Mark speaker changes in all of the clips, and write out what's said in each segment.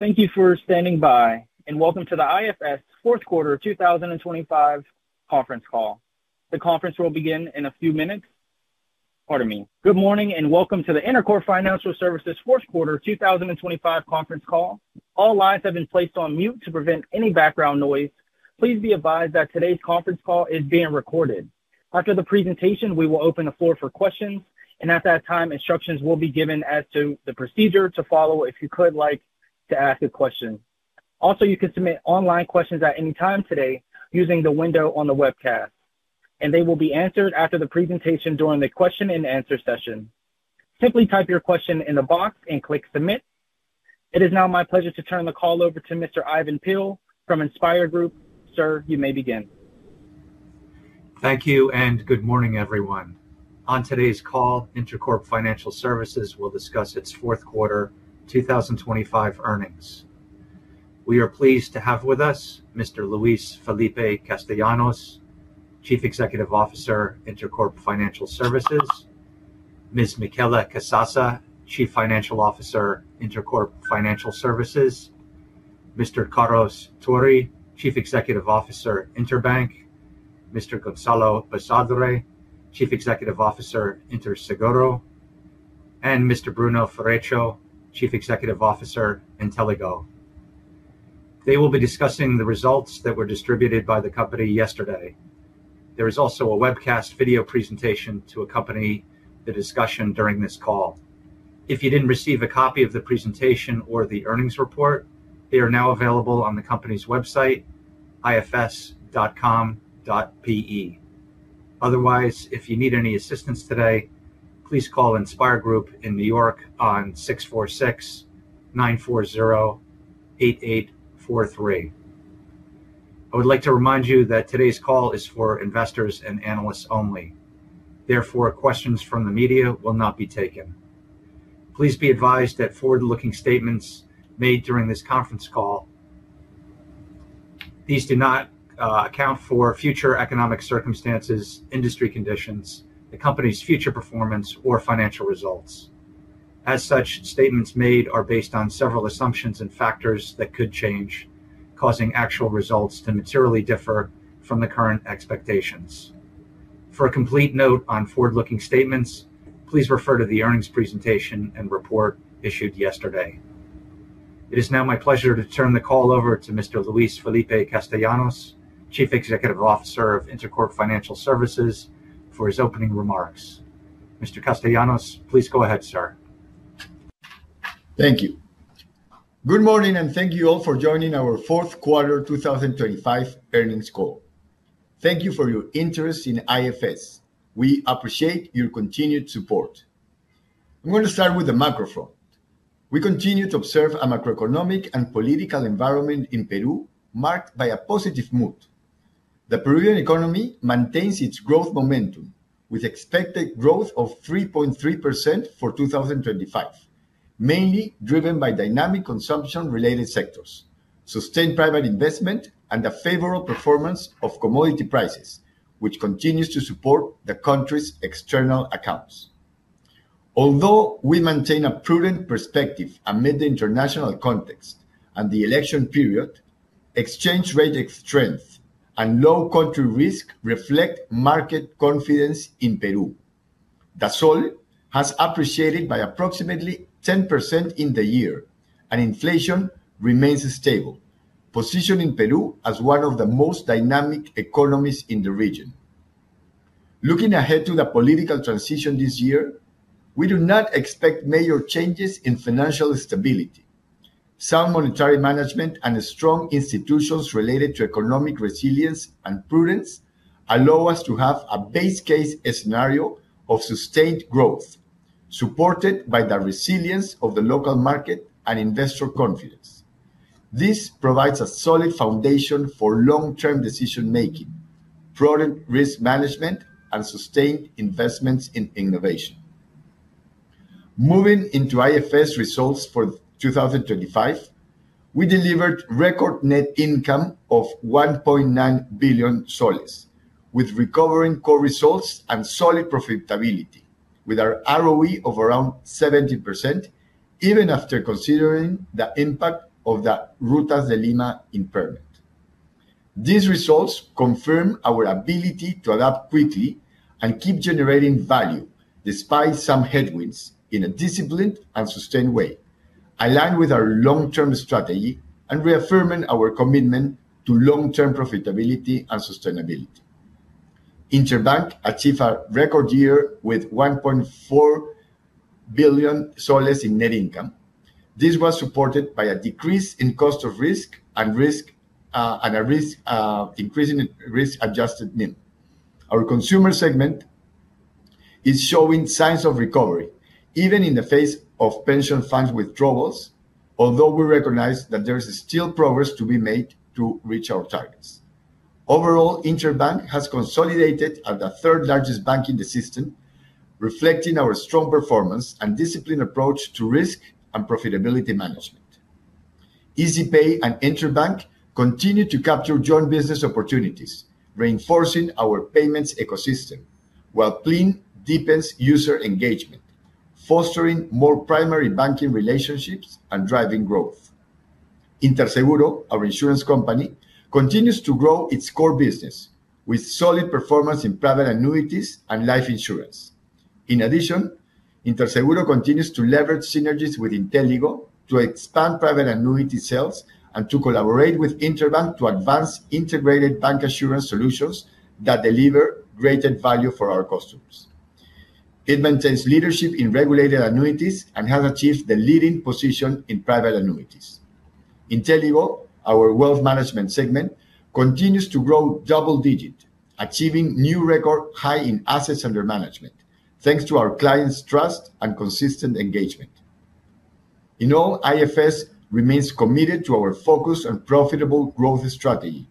Speaker 1: Thank you for standing by, and welcome to the IFS Fourth Quarter of 2025 Conference Call. The conference will begin in a few minutes. Pardon me. Good morning, and welcome to the Intercorp Financial Services Fourth Quarter of 2025 Conference Call. All lines have been placed on mute to prevent any background noise. Please be advised that today's conference call is being recorded. After the presentation, we will open the floor for questions And at that time, instructions will be given as to the procedure to follow if you could like to ask a question. Also, you can submit online questions at any time today using the window on the webcast, and they will be answered after the presentation during the question and answer session. Simply type your question in the box and click Submit. It is now my pleasure to turn the call over to Mr. Ivan Peill from InspIR Group. Sir, you may begin.
Speaker 2: Thank you, and good morning, everyone. On today's call, Intercorp Financial Services will discuss its Fourth Quarter 2025 arnings. We are pleased to have with us Mr. Luis Felipe Castellanos, Chief Executive Officer, Intercorp Financial Services, Ms. Michela Casassa, Chief Financial Officer, Intercorp Financial Services, Mr. Carlos Tori, Chief Executive Officer, Interbank, Mr. Gonzalo Basadre, Chief Executive Officer, Interseguro, and Mr. Bruno Ferreccio, Chief Executive Officer, Inteligo. They will be discussing the results that were distributed by the company yesterday. There is also a webcast video presentation to accompany the discussion during this call. If you didn't receive a copy of the presentation or the earnings report, they are now available on the company's website, ifs.com.pe. Otherwise, if you need any assistance today, please call InspIR Group in New York on 646-940-8843. I would like to remind you that today's call is for investors and analysts only, therefore, questions from the media will not be taken. Please be advised that forward-looking statements made during this conference call, these do not account for future economic circumstances, industry conditions, the company's future performance, or financial results. As such, statements made are based on several assumptions and factors that could change, causing actual results to materially differ from the current expectations. For a complete note on forward-looking statements, please refer to the earnings presentation and report issued yesterday. It is now my pleasure to turn the call over to Mr. Luis Felipe Castellanos, Chief Executive Officer of Intercorp Financial Services, for his opening remarks. Mr. Castellanos, please go ahead, sir.
Speaker 3: Thank you. Good morning, and thank you all for joining our fourth quarter 2025 earnings call. Thank you for your interest in IFS. We appreciate your continued support. I'm gonna start with the macro front. We continue to observe a macroeconomic and political environment in Peru, marked by a positive mood. The Peruvian economy maintains its growth momentum, with expected growth of 3.3% for 2025, mainly driven by dynamic consumption-related sectors, sustained private investment, and the favorable performance of commodity prices, which continues to support the country's external accounts. Although we maintain a prudent perspective amid the international context and the election period, exchange rate strength and low country risk reflect market confidence in Peru. The sol has appreciated by approximately 10% in the year, and inflation remains stable, positioning Peru as one of the most dynamic economies in the region. Looking ahead to the political transition this year, we do not expect major changes in financial stability. Sound monetary management and strong institutions related to economic resilience and prudence allow us to have a base case scenario of sustained growth, supported by the resilience of the local market and investor confidence. This provides a solid foundation for long-term decision-making, prudent risk management, and sustained investments in innovation. Moving into IFS results for 2025, we delivered record net income of PEN 1.9 billion soles, with recovering core results and solid profitability, with our ROE of around 70%, even after considering the impact of the Rutas de Lima impairment. These results confirm our ability to adapt quickly and keep generating value despite some headwinds in a disciplined and sustained way, aligned with our long-term strategy and reaffirming our commitment to long-term profitability and sustainability. Interbank achieved a record year with PEN 1.4 billion in net income. This was supported by a decrease in cost of risk and risk, and a risk increase in risk-adjusted NIM. Our consumer segment is showing signs of recovery, even in the face of pension fund withdrawals, although we recognize that there is still progress to be made to reach our targets. Overall, Interbank has consolidated as the third largest bank in the system, reflecting our strong performance and disciplined approach to risk and profitability management. Izipay and Interbank continue to capture joint business opportunities, reinforcing our payments ecosystem. While Plin deepens user engagement, fostering more primary banking relationships and driving growth. Interseguro, our insurance company, continues to grow its core business with solid performance in private annuities and life insurance. In addition, Interseguro continues to leverage synergies with Inteligo to expand private annuity sales and to collaborate with Interbank to advance integrated bank assurance solutions that deliver greater value for our customers. It maintains leadership in regulated annuities and has achieved the leading position in private annuities. Inteligo, our wealth management segment, continues to grow double digit, achieving new record high in assets under management, thanks to our clients' trust and consistent engagement. In all, IFS remains committed to our focus on profitable growth strategy,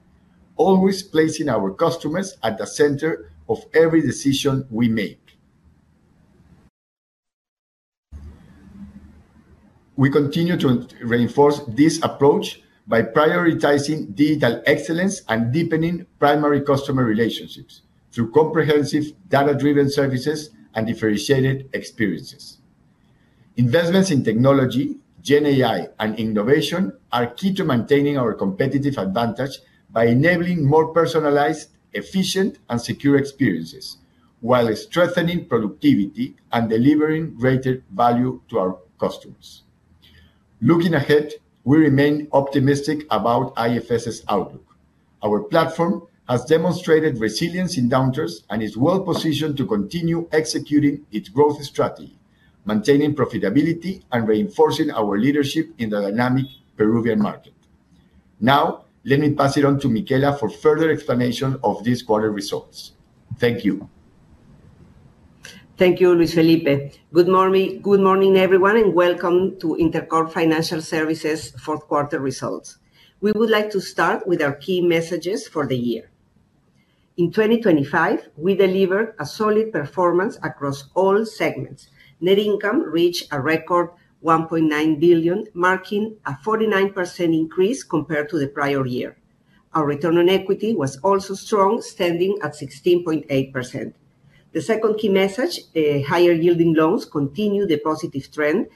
Speaker 3: always placing our customers at the center of every decision we make. We continue to reinforce this approach by prioritizing digital excellence and deepening primary customer relationships through comprehensive data-driven services and differentiated experiences. Investments in technology, GenAI, and innovation are key to maintaining our competitive advantage by enabling more personalized, efficient, and secure experiences while strengthening productivity and delivering greater value to our customers. Looking ahead, we remain optimistic about IFS's outlook. Our platform has demonstrated resilience in downturns and is well-positioned to continue executing its growth strategy, maintaining profitability and reinforcing our leadership in the dynamic Peruvian market. Now, let me pass it on to Michela for further explanation of this quarter's results. Thank you.
Speaker 4: Thank you, Luis Felipe. Good morning, good morning, everyone, and welcome to Intercorp Financial Services' fourth quarter results. We would like to start with our key messages for the year. In 2025, we delivered a solid performance across all segments. Net income reached a record $1.9 billion, marking a 49% increase compared to the prior year. Our return on equity was also strong, standing at 16.8%. The second key message, higher-yielding loans continue the positive trend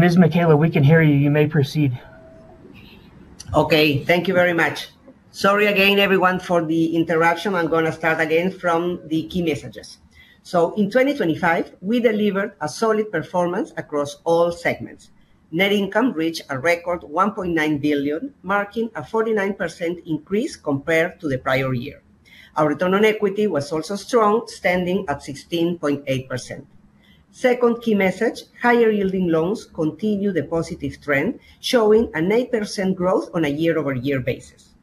Speaker 1: Ms. Michela, we can hear you. You may proceed.
Speaker 4: Okay, thank you very much. Sorry again, everyone, for the interruption. I'm gonna start again from the key messages. So in 2025, we delivered a solid performance across all segments. Net income reached a record $1.9 billion, marking a 49% increase compared to the prior year. Our return on equity was also strong, standing at 16.8%. Second key message: higher yielding loans continue the positive trend, showing an 8% growth on a year-over-year basis.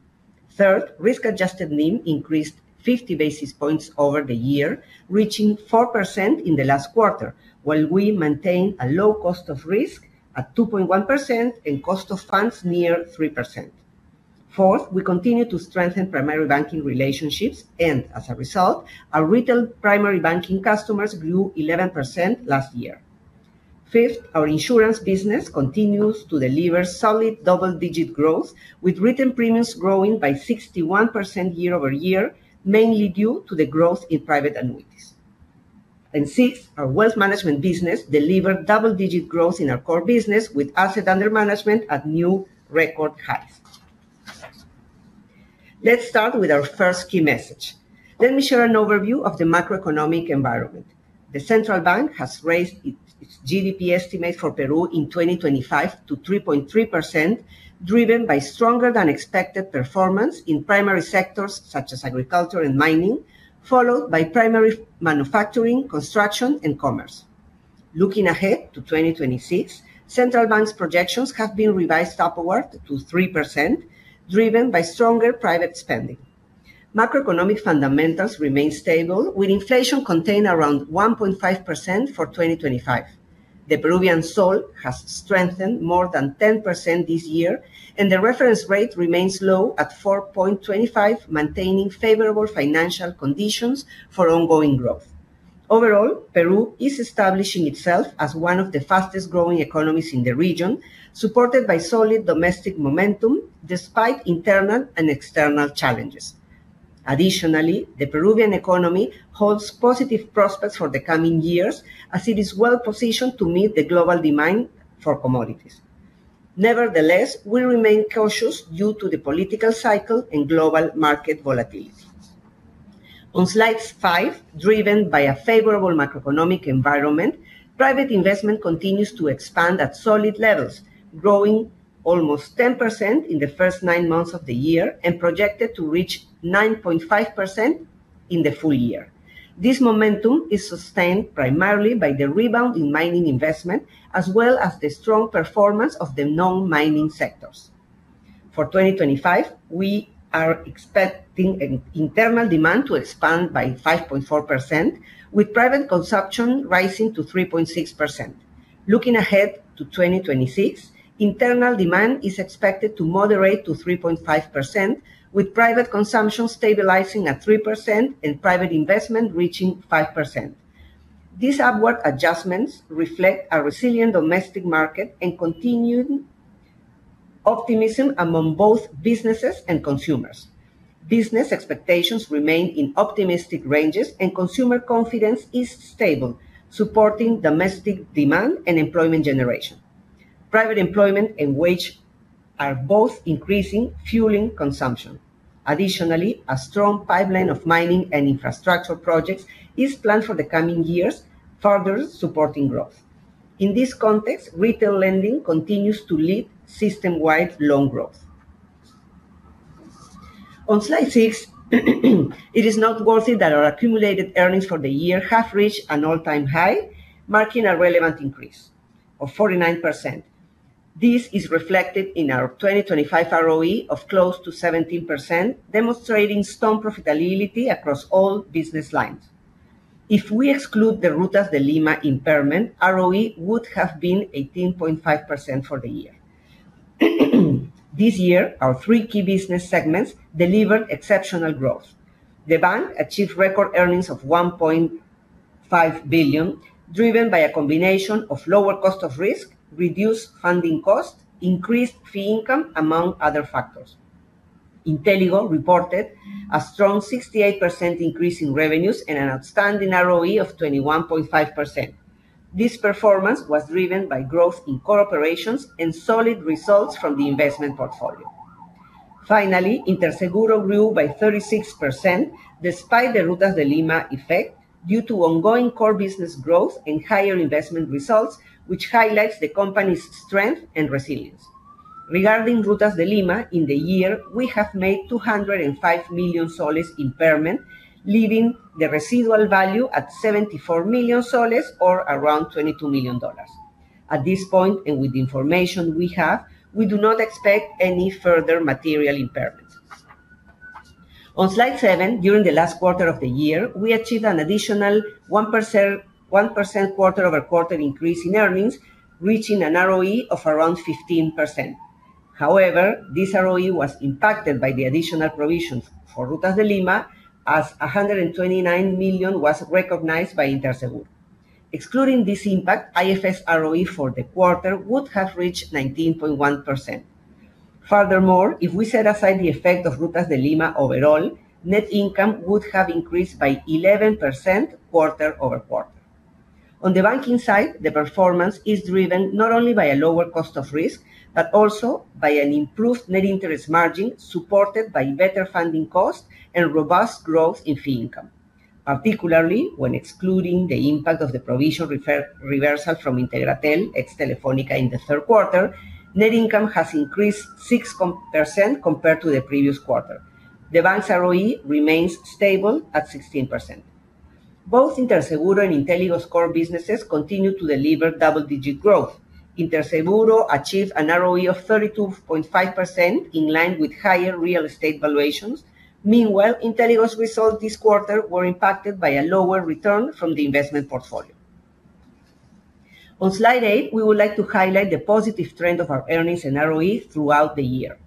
Speaker 4: Third, risk-adjusted NIM increased 50 basis points over the year, reaching 4% in the last quarter, while we maintained a low cost of risk at 2.1% and cost of funds near 3%. Fourth, we continued to strengthen primary banking relationships, and as a result, our retail primary banking customers grew 11% last year. Fifth, our insurance business continues to deliver solid double-digit growth, with written premiums growing by 61% year-over-year, mainly due to the growth in private annuities. Sixth, our wealth management business delivered double-digit growth in our core business, with asset under management at new record highs. Let's start with our first key message. Let me share an overview of the macroeconomic environment. The central bank has raised its GDP estimate for Peru in 2025 to 3.3%, driven by stronger than expected performance in primary sectors such as agriculture and mining, followed by primary manufacturing, construction, and commerce. Looking ahead to 2026, central bank's projections have been revised upward to 3%, driven by stronger private spending. Macroeconomic fundamentals remain stable, with inflation contained around 1.5% for 2025. The Peruvian sol has strengthened more than 10% this year, and the reference rate remains low at 4.25, maintaining favorable financial conditions for ongoing growth. Overall, Peru is establishing itself as one of the fastest growing economies in the region, supported by solid domestic momentum despite internal and external challenges. Additionally, the Peruvian economy holds positive prospects for the coming years, as it is well positioned to meet the global demand for commodities. Nevertheless, we remain cautious due to the political cycle and global market volatilities. On slide five, driven by a favorable macroeconomic environment, private investment continues to expand at solid levels, growing almost 10% in the first nine months of the year and projected to reach 9.5% in the full year. This momentum is sustained primarily by the rebound in mining investment, as well as the strong performance of the non-mining sectors. For 2025, we are expecting an internal demand to expand by 5.4%, with private consumption rising to 3.6%. Looking ahead to 2026, internal demand is expected to moderate to 3.5%, with private consumption stabilizing at 3% and private investment reaching 5%. These upward adjustments reflect a resilient domestic market and continued optimism among both businesses and consumers. Business expectations remain in optimistic ranges, and consumer confidence is stable, supporting domestic demand and employment generation. Private employment and wage are both increasing, fueling consumption. Additionally, a strong pipeline of mining and infrastructure projects is planned for the coming years, further supporting growth. In this context, retail lending continues to lead system-wide loan growth. On slide six, it is noteworthy that our accumulated earnings for the year have reached an all-time high, marking a relevant increase of 49%. This is reflected in our 2025 ROE of close to 17%, demonstrating strong profitability across all business lines. If we exclude the Rutas de Lima impairment, ROE would have been 18.5% for the year. This year, our three key business segments delivered exceptional growth. The bank achieved record earnings of $1.5 billion, driven by a combination of lower cost of risk, reduced funding costs, increased fee income, among other factors. Inteligo reported a strong 68% increase in revenues and an outstanding ROE of 21.5%. This performance was driven by growth in corporations and solid results from the investment portfolio. Finally, Interseguro grew by 36% despite the Rutas de Lima effect, due to ongoing core business growth and higher investment results, which highlights the company's strength and resilience. Regarding Rutas de Lima, in the year, we have made PEN 205 million impairment, leaving the residual value at PEN 74 million or around $22 million. At this point, and with the information we have, we do not expect any further material impairments. On slide 7, during the last quarter of the year, we achieved an additional 1%, 1% quarter-over-quarter increase in earnings, reaching an ROE of around 15%. However, this ROE was impacted by the additional provisions for Rutas de Lima, as PEN 129 million was recognized by Interseguro. Excluding this impact, IFRS ROE for the quarter would have reached 19.1%. Furthermore, if we set aside the effect of Rutas de Lima overall, net income would have increased by 11% quarter-over-quarter. On the banking side, the performance is driven not only by a lower cost of risk, but also by an improved net interest margin, supported by better funding costs and robust growth in fee income. Particularly, when excluding the impact of the provision reversal from Integratel, ex-Telefonica, in the third quarter, net income has increased 6% compared to the previous quarter. The bank's ROE remains stable at 16%. Both Interseguro and Inteligo's core businesses continue to deliver double-digit growth. Interseguro achieved an ROE of 32.5%, in line with higher real estate valuations. Meanwhile, Inteligo's results this quarter were impacted by a lower return from the investment portfolio. On slide 8, we would like to highlight the positive trend of our earnings and ROE throughout the year.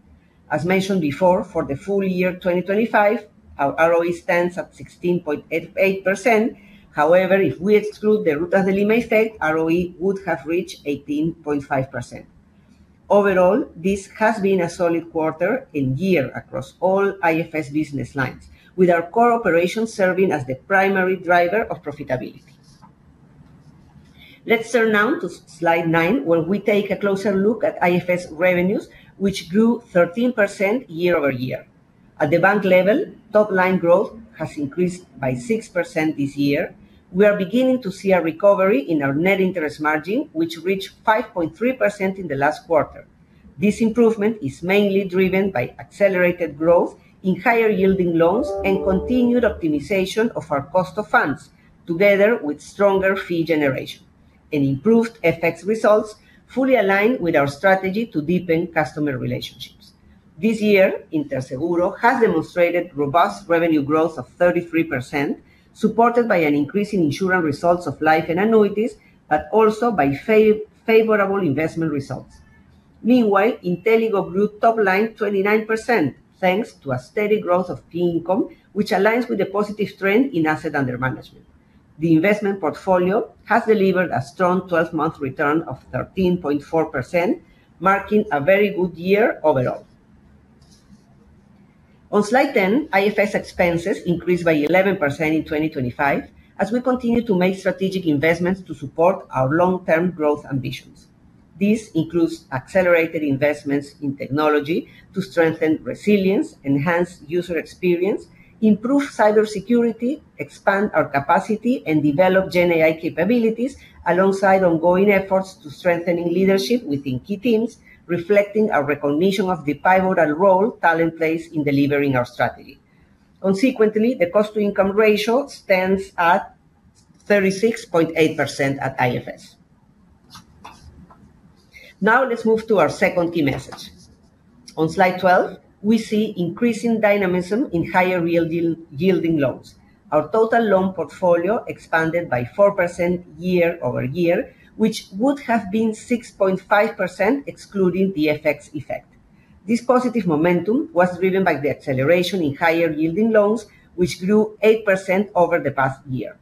Speaker 4: As mentioned before, for the full year 2025, our ROE stands at 16.88%. However, if we exclude the Rutas de Lima effect, ROE would have reached 18.5%. Overall, this has been a solid quarter and year across all IFS business lines, with our core operations serving as the primary driver of profitability. Let's turn now to slide 9, where we take a closer look at IFS revenues, which grew 13% year over year. At the bank level, top line growth has increased by 6% this year. We are beginning to see a recovery in our net interest margin, which reached 5.3% in the last quarter. This improvement is mainly driven by accelerated growth in higher-yielding loans and continued optimization of our cost of funds, together with stronger fee generation and improved FX results, fully aligned with our strategy to deepen customer relationships. This year, Interseguro has demonstrated robust revenue growth of 33%, supported by an increase in insurance results of life and annuities, but also by favorable investment results. Meanwhile, Inteligo grew top line 29%, thanks to a steady growth of fee income, which aligns with the positive trend in assets under management. The investment portfolio has delivered a strong 12-month return of 13.4%, marking a very good year overall. On slide 10, IFS expenses increased by 11% in 2025, as we continue to make strategic investments to support our long-term growth ambitions. This includes accelerated investments in technology to strengthen resilience, enhance user experience, improve cybersecurity, expand our capacity, and develop GenAI capabilities, alongside ongoing efforts to strengthening leadership within key teams, reflecting our recognition of the pivotal role talent plays in delivering our strategy. Consequently, the cost-to-income ratio stands at 36.8% at IFS. Now, let's move to our second key message. On slide 12, we see increasing dynamism in higher real deal yielding loans. Our total loan portfolio expanded by 4% year-over-year, which would have been 6.5%, excluding the FX effect. This positive momentum was driven by the acceleration in higher-yielding loans, which grew 8% over the past year.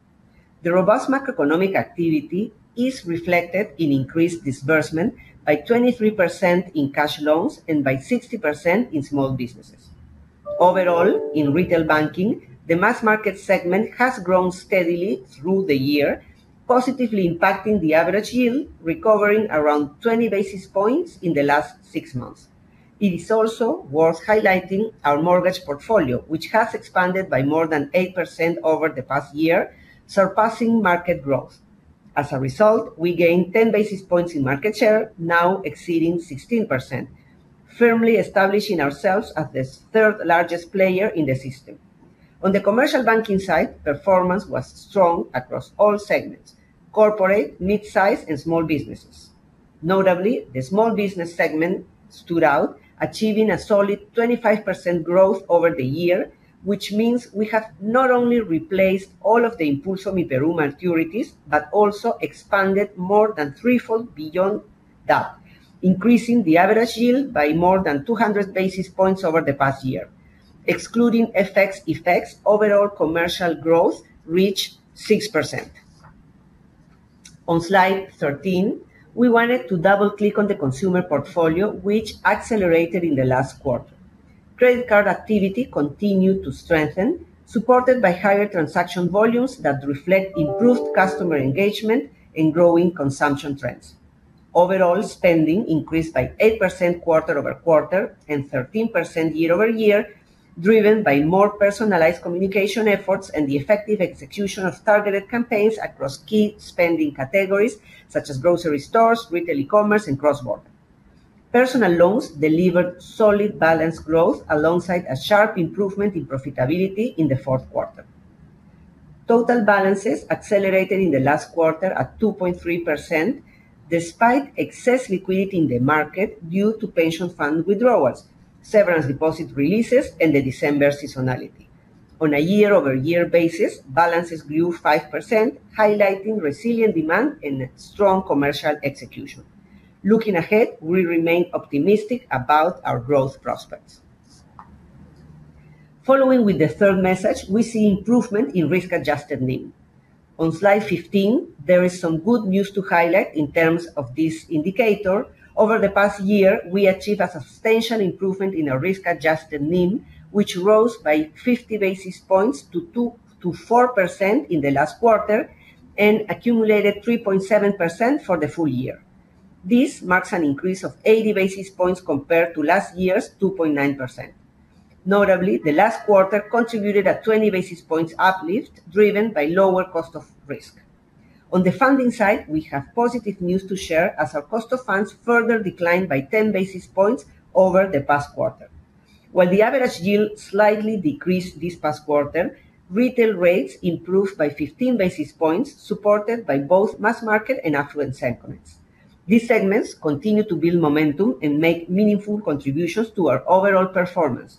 Speaker 4: The robust macroeconomic activity is reflected in increased disbursement by 23% in cash loans and by 60% in small businesses. Overall, in retail banking, the mass market segment has grown steadily through the year, positively impacting the average yield, recovering around 20 basis points in the last six months. It is also worth highlighting our mortgage portfolio, which has expanded by more than 8% over the past year, surpassing market growth. As a result, we gained 10 basis points in market share, now exceeding 16%, firmly establishing ourselves as the third-largest player in the system. On the commercial banking side, performance was strong across all segments: corporate, midsize, and small businesses. Notably, the small business segment stood out, achieving a solid 25% growth over the year, which means we have not only replaced all of the Impulso Peru maturities, but also expanded more than threefold beyond that, increasing the average yield by more than 200 basis points over the past year. Excluding FX effects, overall commercial growth reached 6%. On slide 13, we wanted to double-click on the consumer portfolio, which accelerated in the last quarter. Credit card activity continued to strengthen, supported by higher transaction volumes that reflect improved customer engagement and growing consumption trends. Overall, spending increased by 8% quarter-over-quarter and 13% year-over-year, driven by more personalized communication efforts and the effective execution of targeted campaigns across key spending categories such as grocery stores, retail, e-commerce, and cross-border. Personal loans delivered solid balance growth alongside a sharp improvement in profitability in the fourth quarter. Total balances accelerated in the last quarter at 2.3%, despite excess liquidity in the market due to pension fund withdrawals, severance deposit releases, and the December seasonality. On a year-over-year basis, balances grew 5%, highlighting resilient demand and strong commercial execution. Looking ahead, we remain optimistic about our growth prospects. Following with the third message, we see improvement in risk-adjusted NIM. On slide 15, there is some good news to highlight in terms of this indicator. Over the past year, we achieved a substantial improvement in our risk-adjusted NIM, which rose by 50 basis points to 2%-4% in the last quarter and accumulated 3.7% for the full year. This marks an increase of 80 basis points compared to last year's 2.9%. Notably, the last quarter contributed a 20 basis points uplift, driven by lower cost of risk. On the funding side, we have positive news to share as our cost of funds further declined by 10 basis points over the past quarter. While the average yield slightly decreased this past quarter, retail rates improved by 15 basis points, supported by both mass market and affluent segments. These segments continue to build momentum and make meaningful contributions to our overall performance.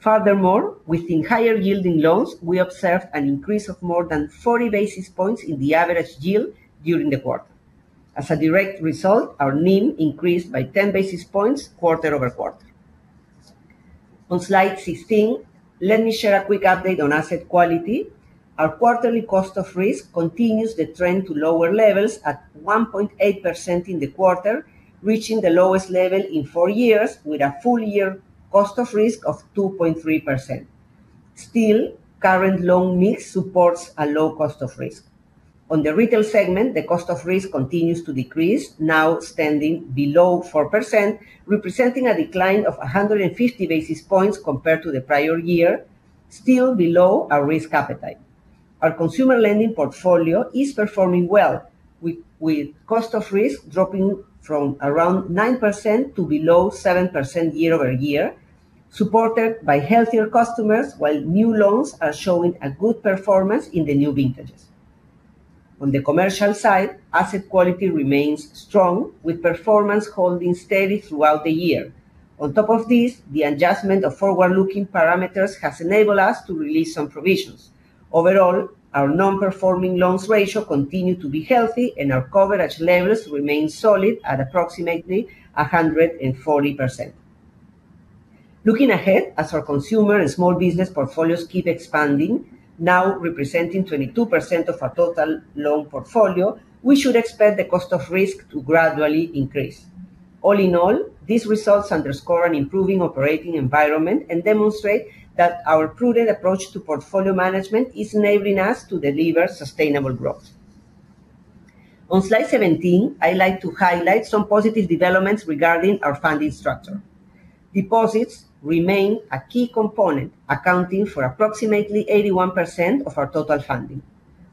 Speaker 4: Furthermore, within higher-yielding loans, we observed an increase of more than 40 basis points in the average yield during the quarter. As a direct result, our NIM increased by 10 basis points quarter-over-quarter. On slide 16, let me share a quick update on asset quality. Our quarterly cost of risk continues the trend to lower levels at 1.8% in the quarter, reaching the lowest level in four years, with a full year cost of risk of 2.3%. Still, current loan mix supports a low cost of risk. On the retail segment, the cost of risk continues to decrease, now standing below 4%, representing a decline of 150 basis points compared to the prior year, still below our risk appetite. Our consumer lending portfolio is performing well, with cost of risk dropping from around 9% to below 7% year-over-year, supported by healthier customers, while new loans are showing a good performance in the new vintages. On the commercial side, asset quality remains strong, with performance holding steady throughout the year. On top of this, the adjustment of forward-looking parameters has enabled us to release some provisions. Overall, our non-performing loans ratio continue to be healthy, and our coverage levels remain solid at approximately 140%. Looking ahead, as our consumer and small business portfolios keep expanding, now representing 22% of our total loan portfolio, we should expect the cost of risk to gradually increase. All in all, these results underscore an improving operating environment and demonstrate that our prudent approach to portfolio management is enabling us to deliver sustainable growth. On slide 17, I'd like to highlight some positive developments regarding our funding structure. Deposits remain a key component, accounting for approximately 81% of our total funding.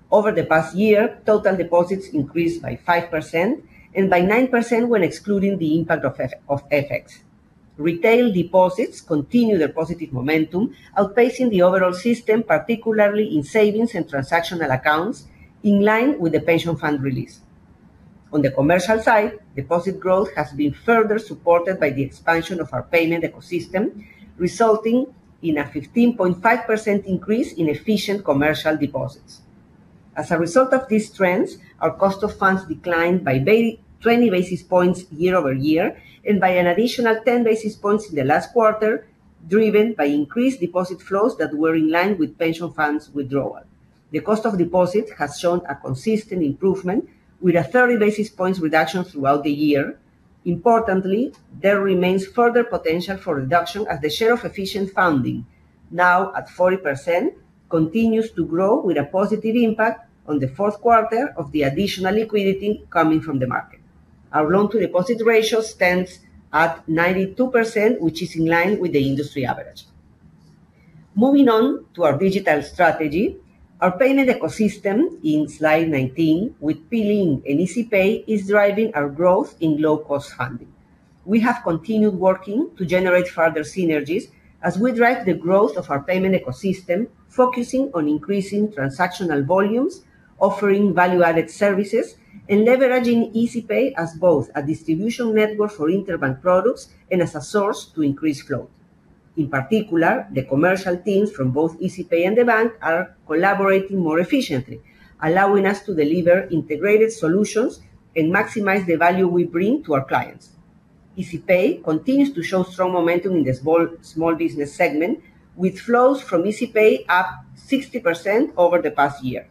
Speaker 4: Over the past year, total deposits increased by 5% and by 9% when excluding the impact of FX. Retail deposits continue their positive momentum, outpacing the overall system, particularly in savings and transactional accounts, in line with the pension fund release. On the commercial side, deposit growth has been further supported by the expansion of our payment ecosystem, resulting in a 15.5% increase in efficient commercial deposits. As a result of these trends, our cost of funds declined by twenty basis points year-over-year and by an additional 10 basis points in the last quarter, driven by increased deposit flows that were in line with pension funds withdrawal. The cost of deposit has shown a consistent improvement, with a 30 basis points reduction throughout the year. Importantly, there remains further potential for reduction as the share of efficient funding, now at 40%, continues to grow, with a positive impact on the fourth quarter of the additional liquidity coming from the market. Our loan-to-deposit ratio stands at 92%, which is in line with the industry average. Moving on to our digital strategy, our payment ecosystem in slide 19, with Plin and Izipay, is driving our growth in low-cost funding. We have continued working to generate further synergies as we drive the growth of our payment ecosystem, focusing on increasing transactional volumes, offering value-added services, and leveraging Izipay as both a distribution network for Interbank products and as a source to increase flow. In particular, the commercial teams from both Izipay and the bank are collaborating more efficiently, allowing us to deliver integrated solutions and maximize the value we bring to our clients. Izipay continues to show strong momentum in the small, small business segment, with flows from Izipay up 60% over the past year.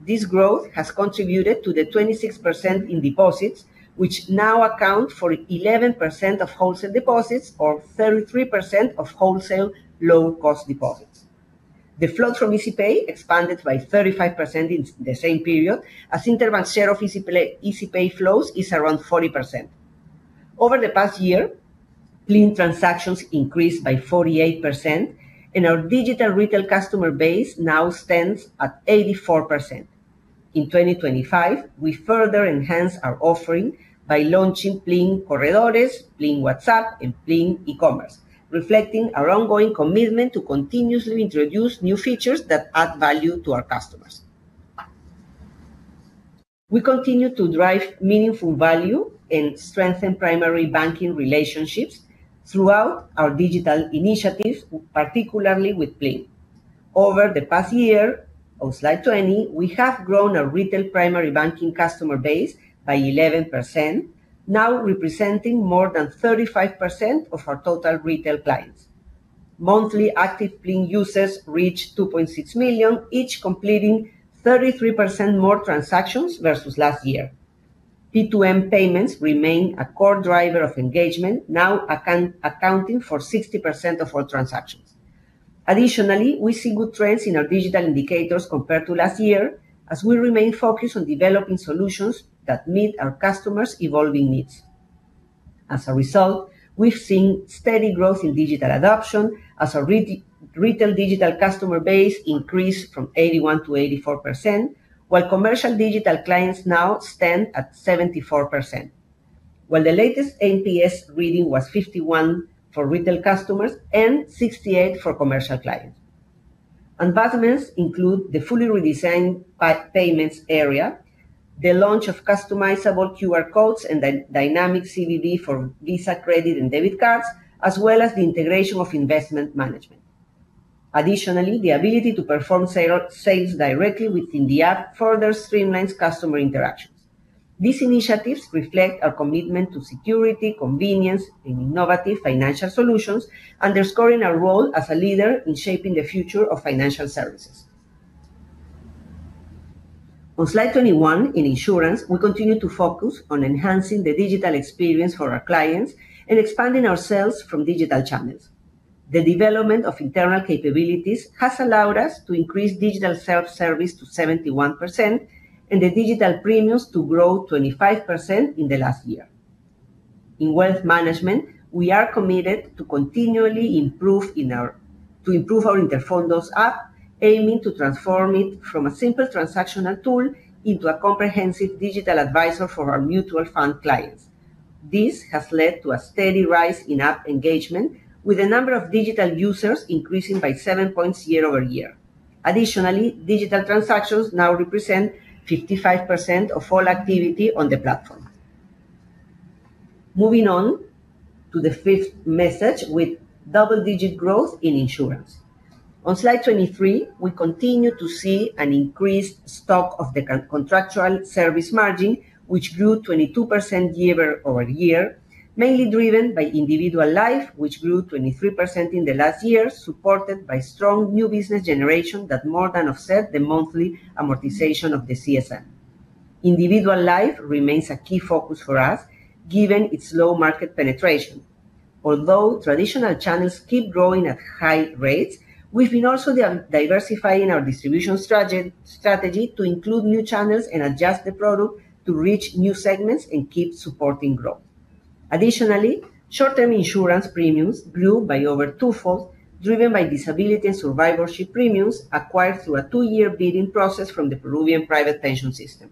Speaker 4: This growth has contributed to the 26% in deposits, which now account for 11% of wholesale deposits, or 33% of wholesale low-cost deposits. The flows from Izipay expanded by 35% in the same period, as Interbank share of Izipay, Izipay flows is around 40%. Over the past year, Plin transactions increased by 48%, and our digital retail customer base now stands at 84%. In 2025, we further enhanced our offering by launching Plin Comercios, Plin WhatsApp, and Plin E-commerce, reflecting our ongoing commitment to continuously introduce new features that add value to our customers. We continue to drive meaningful value and strengthen primary banking relationships throughout our digital initiatives, particularly with Plin. Over the past year, on slide 20, we have grown our retail primary banking customer base by 11%, now representing more than 35% of our total retail clients. Monthly active Plin users reached 2.6 million, each completing 33% more transactions versus last year. P2M payments remain a core driver of engagement, now accounting for 60% of all transactions. Additionally, we see good trends in our digital indicators compared to last year, as we remain focused on developing solutions that meet our customers' evolving needs. As a result, we've seen steady growth in digital adoption as our retail digital customer base increased from 81% to 84%, while commercial digital clients now stand at 74%, while the latest NPS reading was 51 for retail customers and 68 for commercial clients. Enhancements include the fully redesigned payments area, the launch of customizable QR codes, and the dynamic CVV for Visa credit and debit cards, as well as the integration of investment management. Additionally, the ability to perform sales directly within the app further streamlines customer interactions. These initiatives reflect our commitment to security, convenience, and innovative financial solutions, underscoring our role as a leader in shaping the future of financial services. On slide 21, in insurance, we continue to focus on enhancing the digital experience for our clients and expanding our sales from digital channels. The development of internal capabilities has allowed us to increase digital self-service to 71%, and the digital premiums to grow 25% in the last year. In wealth management, we are committed to improve our Interfondos app, aiming to transform it from a simple transactional tool into a comprehensive digital advisor for our mutual fund clients. This has led to a steady rise in app engagement, with the number of digital users increasing by 7 points year over year. Additionally, digital transactions now represent 55% of all activity on the platform. Moving on to the fifth message with double-digit growth in insurance. On slide 23, we continue to see an increased stock of the contractual service margin, which grew 22% year-over-year, mainly driven by individual life, which grew 23% in the last year, supported by strong new business generation that more than offset the monthly amortization of the CSM. Individual life remains a key focus for us, given its low market penetration. Although traditional channels keep growing at high rates, we've been also diversifying our distribution strategy to include new channels and adjust the product to reach new segments and keep supporting growth. Additionally, short-term insurance premiums grew by over twofold, driven by disability and survivorship premiums acquired through a 2-year bidding process from the Peruvian private pension system.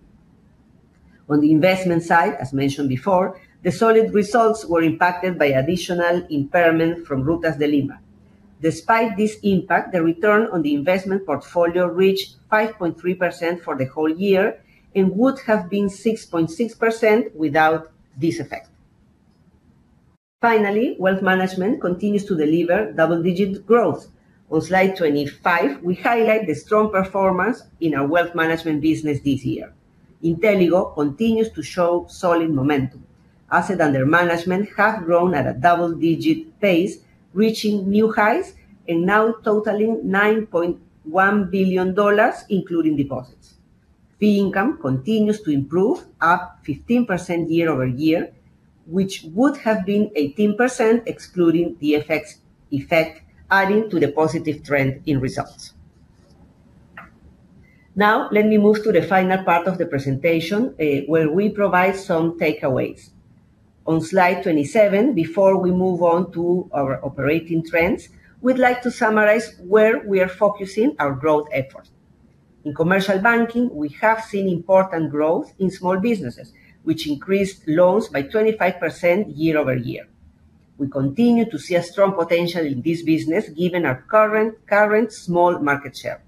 Speaker 4: On the investment side, as mentioned before, the solid results were impacted by additional impairment from Rutas de Lima. Despite this impact, the return on the investment portfolio reached 5.3% for the whole year, and would have been 6.6% without this effect. Finally, wealth management continues to deliver double-digit growth. On slide 25, we highlight the strong performance in our wealth management business this year. Inteligo continues to show solid momentum. Assets under management have grown at a double-digit pace, reaching new highs and now totaling $9.1 billion, including deposits. Fee income continues to improve, up 15% year-over-year, which would have been 18%, excluding the effects, effect, adding to the positive trend in results. Now, let me move to the final part of the presentation, where we provide some takeaways. On slide 27, before we move on to our operating trends, we'd like to summarize where we are focusing our growth efforts. In commercial banking, we have seen important growth in small businesses, which increased loans by 25% year-over-year. We continue to see a strong potential in this business, given our current, current small market share.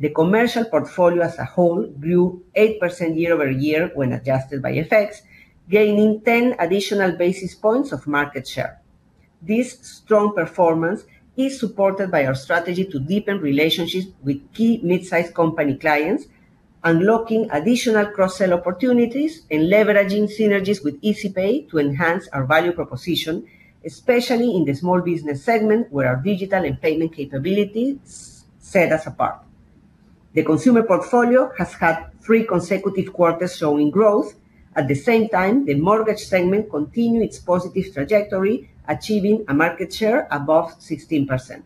Speaker 4: The commercial portfolio as a whole grew 8% year-over-year when adjusted by effects, gaining ten additional basis points of market share. This strong performance is supported by our strategy to deepen relationships with key mid-sized company clients, unlocking additional cross-sell opportunities and leveraging synergies with Izipay to enhance our value proposition, especially in the small business segment, where our digital and payment capabilities set us apart. The consumer portfolio has had three consecutive quarters showing growth. At the same time, the mortgage segment continued its positive trajectory, achieving a market share above 16%.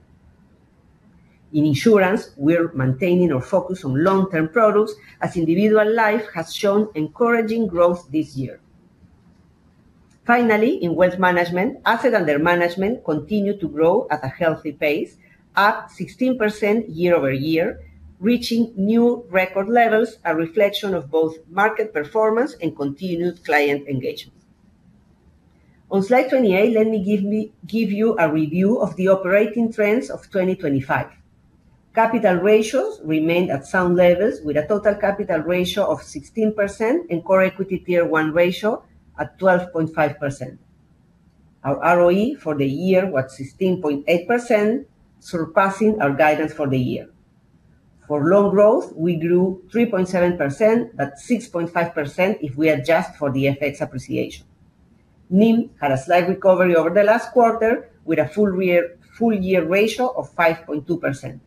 Speaker 4: In insurance, we're maintaining our focus on long-term products, as individual life has shown encouraging growth this year. Finally, in wealth management, assets under management continue to grow at a healthy pace, up 16% year-over-year, reaching new record levels, a reflection of both market performance and continued client engagement. On slide 28, let me give you a review of the operating trends of 2025. Capital ratios remained at sound levels, with a total capital ratio of 16% and Core Equity Tier 1 ratio at 12.5%. Our ROE for the year was 16.8%, surpassing our guidance for the year. For loan growth, we grew 3.7%, but 6.5% if we adjust for the FX appreciation. NIM had a slight recovery over the last quarter, with a full year ratio of 5.2%.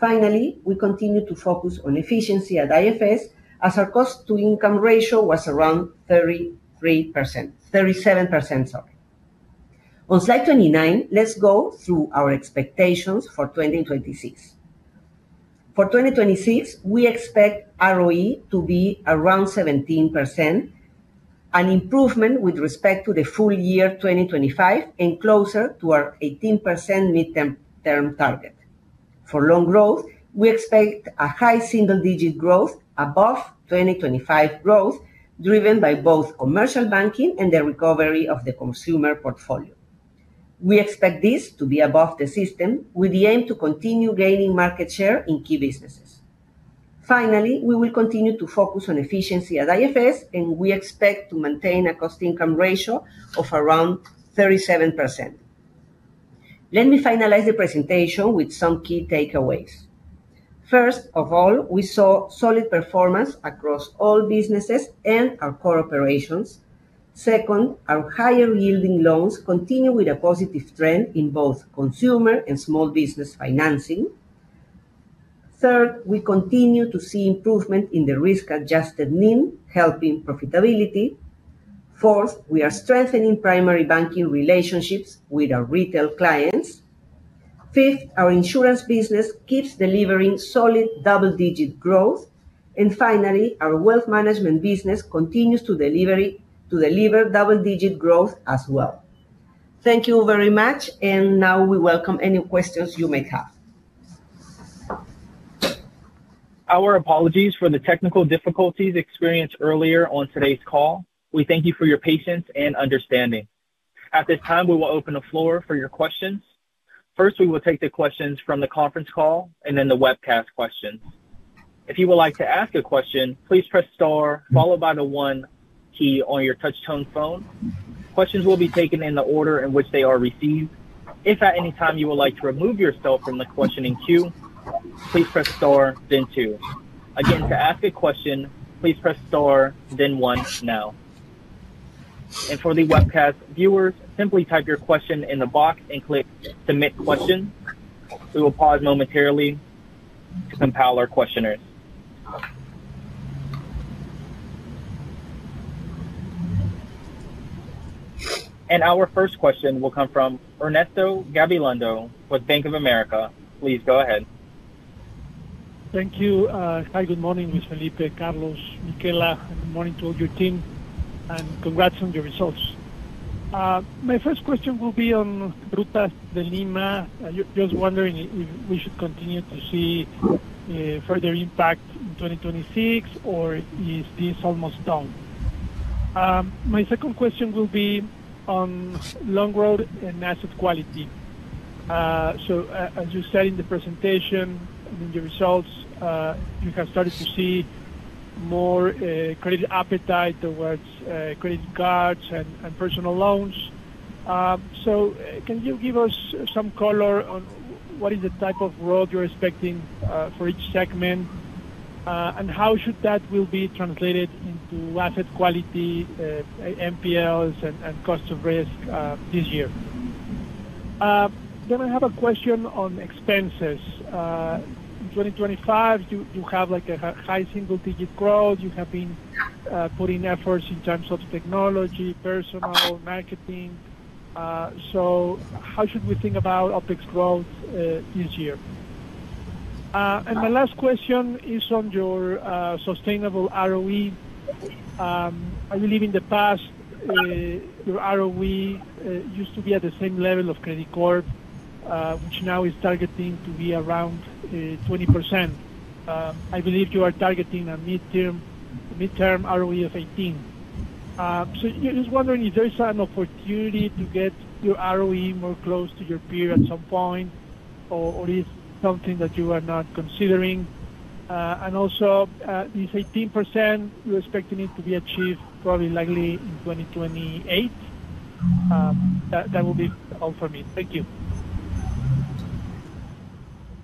Speaker 4: Finally, we continued to focus on efficiency at IFS, as our cost-to-income ratio was around 33%--37%, sorry. On slide 29, let's go through our expectations for 2026. For 2026, we expect ROE to be around 17%, an improvement with respect to the full year 2025 and closer to our 18% midterm term target. For loan growth, we expect a high single-digit growth above 2025 growth, driven by both commercial banking and the recovery of the consumer portfolio. We expect this to be above the system, with the aim to continue gaining market share in key businesses. finally, we will continue to focus on efficiency at IFS, and we expect to maintain a cost-income ratio of around 37%. Let me finalize the presentation with some key takeaways. First of all, we saw solid performance across all businesses and our core operations. Second, our higher-yielding loans continue with a positive trend in both consumer and small business financing. Third, we continue to see improvement in the risk-adjusted NIM, helping profitability. Fourth, we are strengthening primary banking relationships with our retail clients. Fifth, our insurance business keeps delivering solid double-digit growth. And finally, our wealth management business continues to deliver double-digit growth as well. Thank you very much, and now we welcome any questions you may have.
Speaker 1: Our apologies for the technical difficulties experienced earlier on today's call. We thank you for your patience and understanding. At this time, we will open the floor for your questions. First, we will take the questions from the conference call and then the webcast questions. If you would like to ask a question, please press star followed by the one key on your touch-tone phone. Questions will be taken in the order in which they are received. If at any time you would like to remove yourself from the questioning queue, please press star, then two. Again, to ask a question, please press star, then one now. For the webcast viewers, simply type your question in the box and click Submit Question. We will pause momentarily to empower our questioners. Our first question will come from Ernesto Gabilondo with Bank of America. Please go ahead.
Speaker 5: Thank you. Hi, good morning, Mr. Felipe, Carlos, Michela, and good morning to all your team, and congrats on your results. My first question will be on Rutas de Lima. Just wondering if we should continue to see further impact in 2026, or is this almost done? My second question will be on loan growth and asset quality. So, as you said in the presentation, in the results, you have started to see more credit appetite towards credit cards and personal loans. So can you give us some color on what is the type of growth you're expecting for each segment, and how should that will be translated into asset quality, NPLs, and cost of risk this year? Then I have a question on expenses. 2025, you, you have, like, a high single-digit growth. You have been putting efforts in terms of technology, personal marketing. So how should we think about OpEx growth this year? And my last question is on your sustainable ROE. I believe in the past, your ROE used to be at the same level of Credicorp, which now is targeting to be around 20%. I believe you are targeting a midterm, midterm ROE of 18. So just wondering if there is an opportunity to get your ROE more close to your peer at some point, or is something that you are not considering? And also, this 18%, you're expecting it to be achieved probably likely in 2028. That, that will be all for me. Thank you.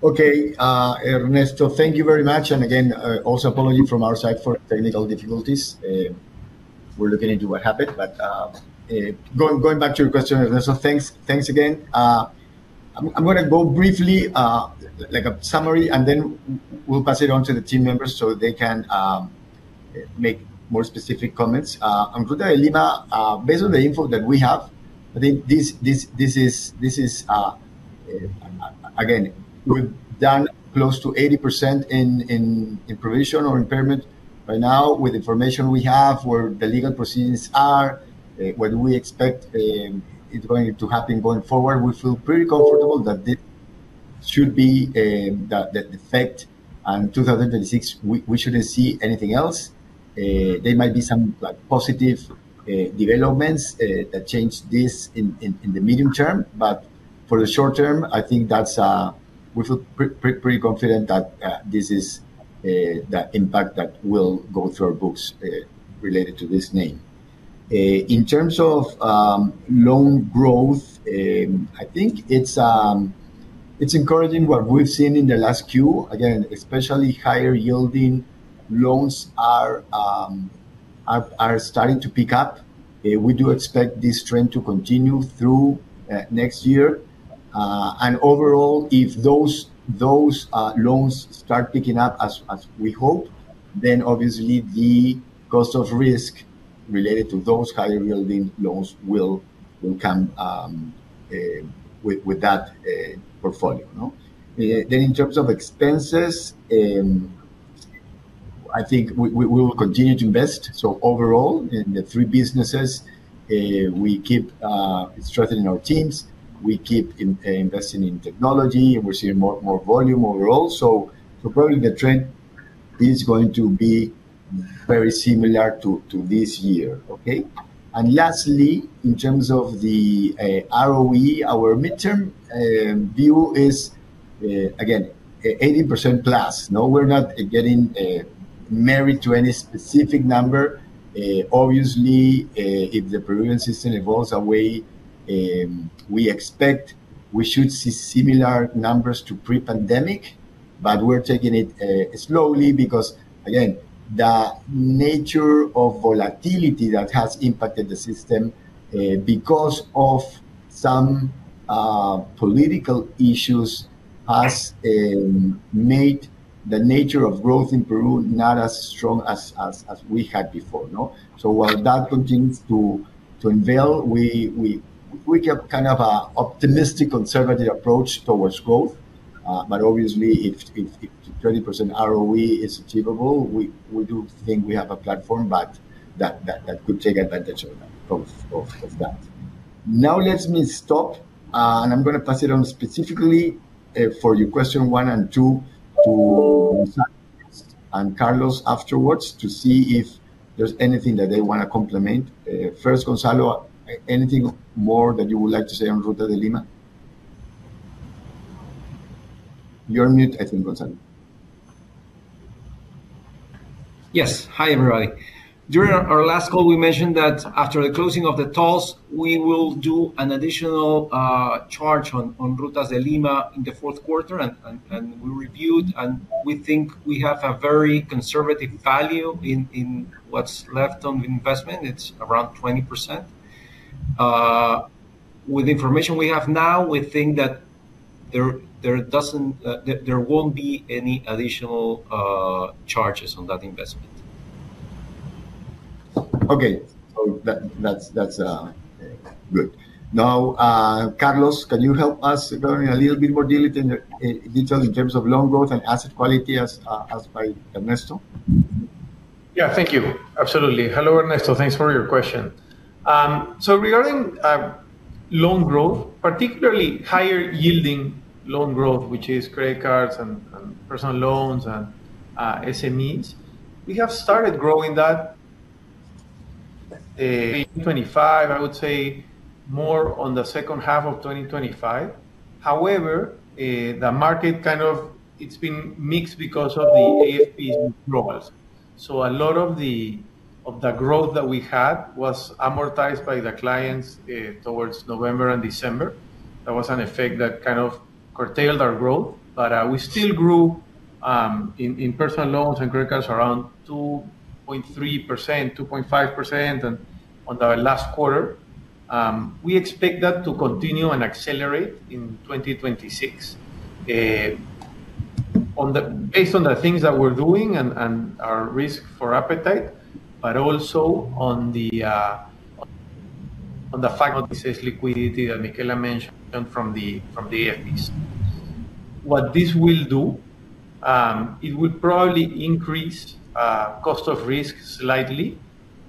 Speaker 3: Okay. Ernesto, thank you very much, and again, also apology from our side for technical difficulties. We're looking into what happened, but going back to your question, Ernesto, thanks again. I'm gonna go briefly, like a summary, and then we'll pass it on to the team members so they can make more specific comments. On Rutas de Lima, based on the info that we have, I think this is, again, we've done close to 80% in provision or impairment. Right now, with information we have, where the legal proceedings are, what we expect is going to happen going forward, we feel pretty comfortable that this should be the effect on 2036, we shouldn't see anything else. There might be some, like, positive developments that change this in the medium term, but for the short term, I think that's We feel pretty confident that this is the impact that will go through our books related to this name. In terms of loan growth, I think it's encouraging what we've seen in the last quarter. Again, especially higher-yielding loans are starting to pick up. We do expect this trend to continue through next year. And overall, if those loans start picking up as we hope, then obviously the cost of risk related to those higher-yielding loans will come with that portfolio, no? Then in terms of expenses, I think we will continue to invest. So overall, in the three businesses, we keep strengthening our teams, we keep investing in technology, and we're seeing more, more volume overall. So probably the trend is going to be very similar to this year, okay? And lastly, in terms of the ROE, our midterm view is again 80%+. No, we're not getting married to any specific number. Obviously, if the Peruvian system evolves away, we expect we should see similar numbers to pre-pandemic, but we're taking it slowly because again, the nature of volatility that has impacted the system because of some political issues has made the nature of growth in Peru not as strong as we had before, no? So while that continues to unveil, we keep kind of an optimistic, conservative approach towards growth. But obviously, if 20% ROE is achievable, we do think we have a platform, but that could take advantage of that. Now, let me stop, and I'm gonna pass it on specifically, for your question one and two, to Gonzalo and Carlos afterwards, to see if there's anything that they wanna compliment. First, Gonzalo, anything more that you would like to say on Rutas de Lima? You're on mute, I think, Gonzalo.
Speaker 6: Yes. Hi, everybody. During our last call, we mentioned that after the closing of the tolls, we will do an additional charge on Rutas de Lima in the fourth quarter, and we reviewed, and we think we have a very conservative value in what's left on the investment. It's around 20%. With the information we have now, we think that there won't be any additional charges on that investment.
Speaker 3: Okay. So that's good. Now, Carlos, can you help us regarding a little bit more detail in the details in terms of loan growth and asset quality as by Ernesto?
Speaker 7: Yeah, thank you. Absolutely. Hello, Ernesto. Thanks for your question. So regarding loan growth, particularly higher-yielding loan growth, which is credit cards and personal loans, and SMEs, we have started growing that in 2025, I would say more on the second half of 2025. However, the market kind of It's been mixed because of the AFP withdrawals. So a lot of the growth that we had was amortized by the clients towards November and December. That was an effect that kind of curtailed our growth, but we still grew in personal loans and credit cards around 2.3%-2.5% on the last quarter. We expect that to continue and accelerate in 2026. Based on the things that we're doing and our risk appetite, but also on the fact of this excess liquidity that Michela mentioned from the AFPs. What this will do, it would probably increase cost of risk slightly,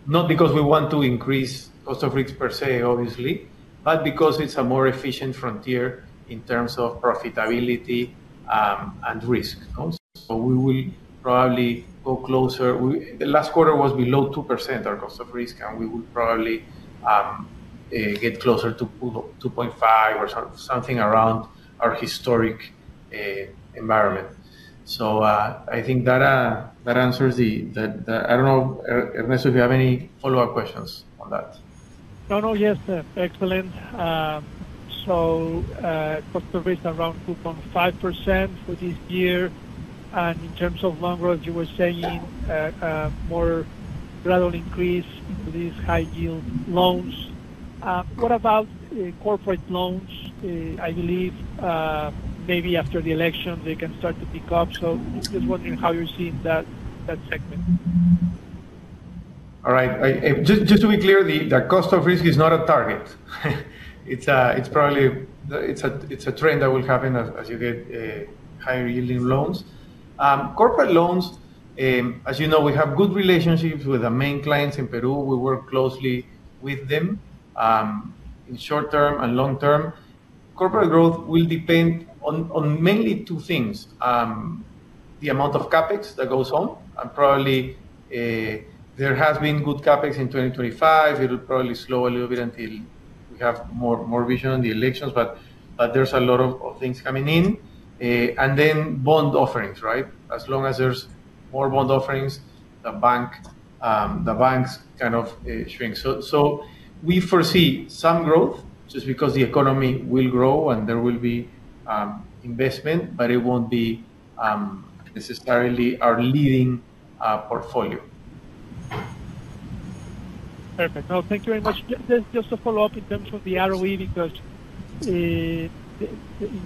Speaker 7: not because we want to increase cost of risk per se, obviously, but because it's a more efficient frontier in terms of profitability and risk. So we will probably go closer. The last quarter was below 2%, our cost of risk, and we will probably get closer to 2%-2.5% or something around our historic environment. So I think that that answers the I don't know, Ernesto, if you have any follow-up questions on that?
Speaker 5: No, no, yes, excellent. So, cost of risk around 2.5% for this year. And in terms of loan growth, you were saying, more gradual increase into these high-yield loans. What about, corporate loans? I believe, maybe after the election, they can start to pick up. So just wondering how you're seeing that, that segment.
Speaker 7: All right. Just, just to be clear, the cost of risk is not a target. It's probably a trend that will happen as you get higher-yielding loans. Corporate loans, as you know, we have good relationships with the main clients in Peru. We work closely with them in short term and long term. Corporate growth will depend on mainly two things: the amount of CapEx that goes on, and probably there has been good CapEx in 2025. It'll probably slow a little bit until we have more vision on the elections, but there's a lot of things coming in. And then bond offerings, right? As long as there's more bond offerings, the bank, the banks kind of shrink. So we foresee some growth just because the economy will grow, and there will be investment, but it won't be necessarily our leading portfolio.
Speaker 5: Perfect. No, thank you very much. Just to follow up in terms of the ROE, because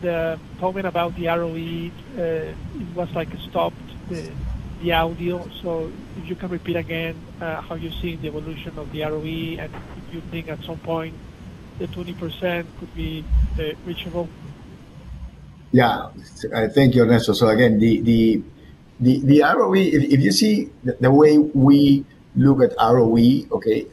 Speaker 5: the talking about the ROE, it was, like, stopped, the audio. So if you can repeat again, how you're seeing the evolution of the ROE, and if you think at some point the 20% could be reachable.
Speaker 3: Yeah. Thank you, Ernesto. So again, the ROE, if you see the way we look at ROE, okay,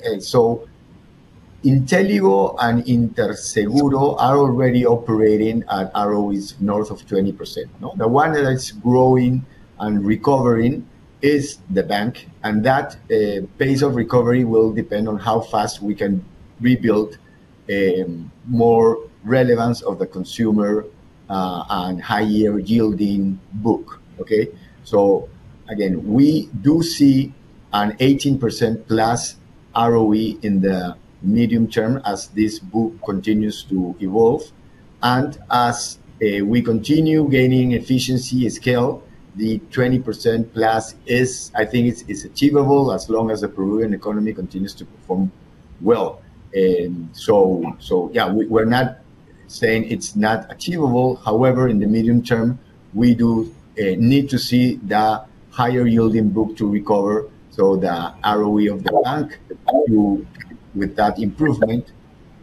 Speaker 3: Inteligo and Interseguro are already operating at ROEs north of 20%, no? The one that is growing and recovering is the bank, and that pace of recovery will depend on how fast we can rebuild more relevance of the consumer and higher yielding book. Okay? So again, we do see an 18%+ ROE in the medium term as this book continues to evolve, and as we continue gaining efficiency and scale, the 20%+ is, I think, achievable as long as the Peruvian economy continues to perform well. So yeah, we're not saying it's not achievable. However, in the medium term, we do need to see the higher yielding book to recover, so the ROE of the bank to, with that improvement,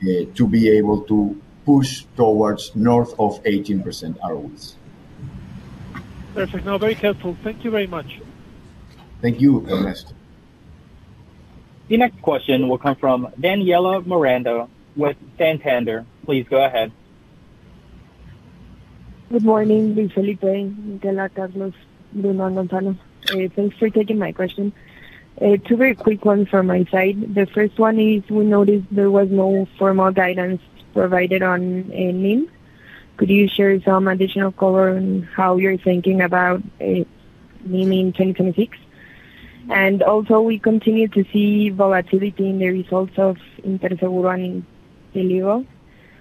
Speaker 3: to be able to push towards north of 18% ROEs.
Speaker 5: Perfect. No, very helpful. Thank you very much.
Speaker 3: Thank you, Ernesto.
Speaker 1: The next question will come from Daniela Miranda with Santander. Please go ahead.
Speaker 8: Good morning, Luis Felipe, Michela, Carlos, Bruno, Gonzalo. Thanks for taking my question. Two very quick ones from my side. The first one is, we noticed there was no formal guidance provided on NIM. Could you share some additional color on how you're thinking about NIM in 2026? And also, we continue to see volatility in the results of Interseguro and Inteligo.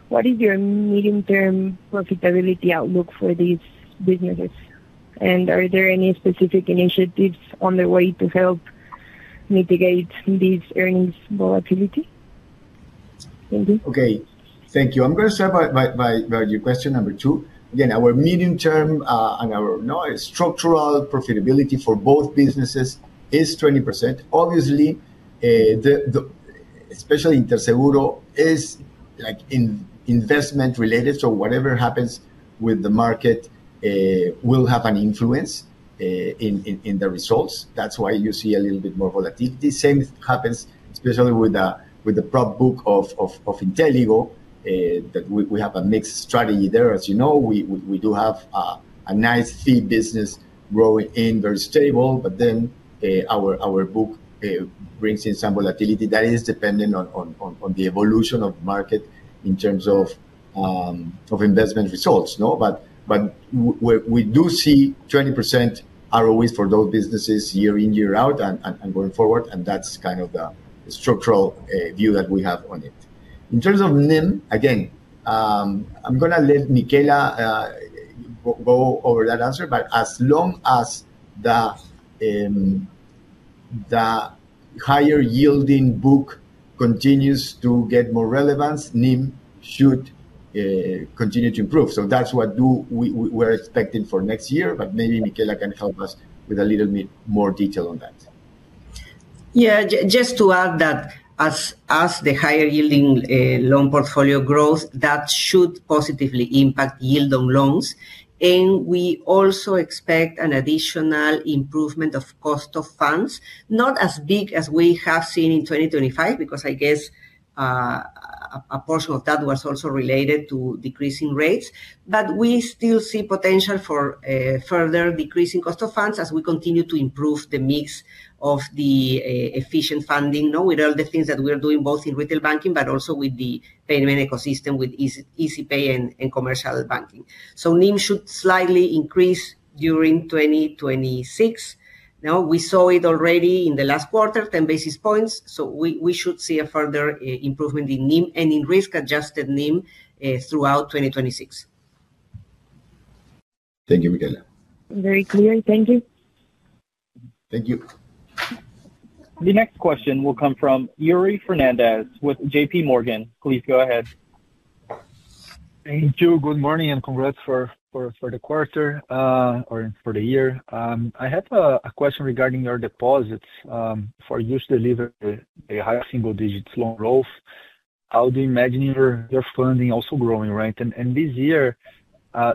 Speaker 8: What is your medium-term profitability outlook for these businesses? And are there any specific initiatives on the way to help mitigate this earnings volatility? Thank you.
Speaker 3: Okay, thank you. I'm gonna start by your question number two. Again, our medium term and our now structural profitability for both businesses is 20%. Obviously, the especially Interseguro is, like, in investment related, so whatever happens with the market will have an influence in the results. That's why you see a little bit more volatility. Same happens, especially with the prop book of Inteligo that we do have a nice fee business growing, very stable, but then our book brings in some volatility that is dependent on the evolution of the market in terms of of investment results. No? But we do see 20% ROEs for those businesses year in, year out, and going forward, and that's kind of the structural view that we have on it. In terms of NIM, again, I'm gonna let Michela go over that answer, but as long as the higher yielding book continues to get more relevance, NIM should continue to improve. So that's what we're expecting for next year, but maybe Michela can help us with a little bit more detail on that.
Speaker 4: Yeah, just to add that as the higher yielding loan portfolio grows, that should positively impact yield on loans, and we also expect an additional improvement of cost of funds. Not as big as we have seen in 2025, because I guess a portion of that was also related to decreasing rates, but we still see potential for further decreasing cost of funds as we continue to improve the mix of the efficient funding with all the things that we are doing, both in retail banking, but also with the payment ecosystem, with Izipay and commercial banking. So NIM should slightly increase during 2026. Now, we saw it already in the last quarter, 10 basis points, so we should see a further improvement in NIM and in risk-adjusted NIM throughout 2026.
Speaker 3: Thank you, Michela.
Speaker 8: Very clear. Thank you.
Speaker 3: Thank you.
Speaker 1: The next question will come from Yuri Fernandes with JP Morgan. Please go ahead.
Speaker 9: Thank you. Good morning, and congrats for the quarter or for the year. I have a question regarding your deposits. For you to deliver the higher single digits loan growth, how do you imagine your funding also growing, right? And this year,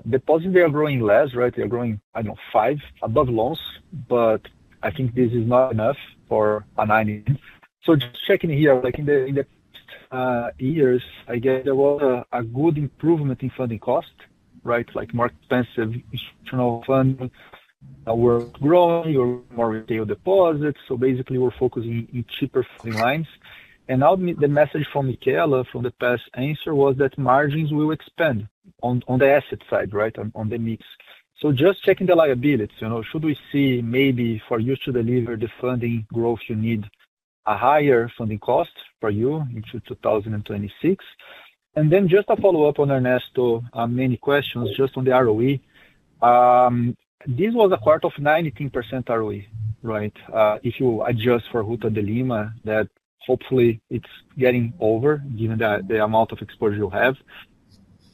Speaker 9: deposits are growing less, right? They're growing, I don't know, five above loans, but I think this is not enough for a ninety. So just checking here, like in the years, I guess there was a good improvement in funding cost, right? Like, more expensive institutional funding were growing or more retail deposits. So basically, we're focusing in cheaper funding lines. And now, the message from Michela from the past answer was that margins will expand on the asset side, right? On the mix. So just checking the liabilities, you know, should we see maybe for you to deliver the funding growth, you need a higher funding cost for you into 2026? And then just a follow-up on Ernesto, many questions just on the ROE. This was a quarter of 19% ROE, right? If you adjust for Rutas de Lima, that hopefully it's getting over, given the amount of exposure you have.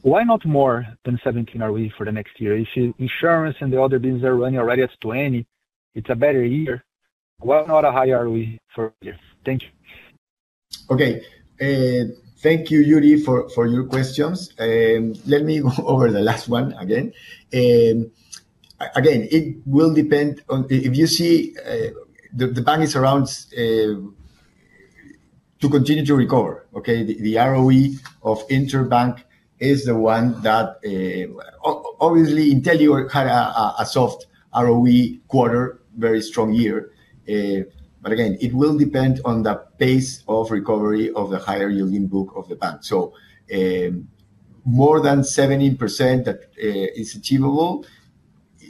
Speaker 9: Why not more than 17 ROE for the next year? If insurance and the other business are running already at 20, it's a better year. Why not a higher ROE for this year? Thank you.
Speaker 3: Okay. Thank you, Yuri, for your questions. Let me go over the last one again. Again, it will depend on the if you see, the bank is around to continue to recover, okay? The ROE of Interbank is the one that obviously, Inteligo had a soft ROE quarter, very strong year. But again, it will depend on the pace of recovery of the higher yielding book of the bank. So, more than 70% is achievable.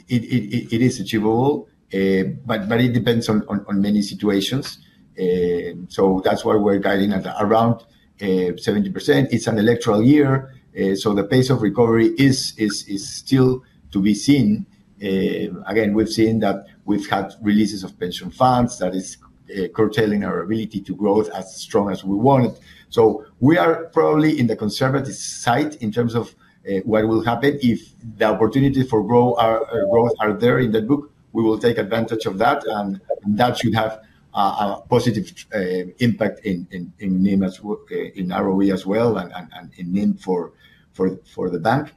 Speaker 3: It is achievable, but it depends on many situations. So that's why we're guiding at around 70%. It's an electoral year, so the pace of recovery is still to be seen. Again, we've seen that we've had releases of pension funds that is curtailing our ability to grow as strong as we want. So we are probably in the conservative side in terms of what will happen. If the opportunity for growth are there in the book, we will take advantage of that, and that should have a positive impact in NIM as well in ROE as well, and in NIM for the bank.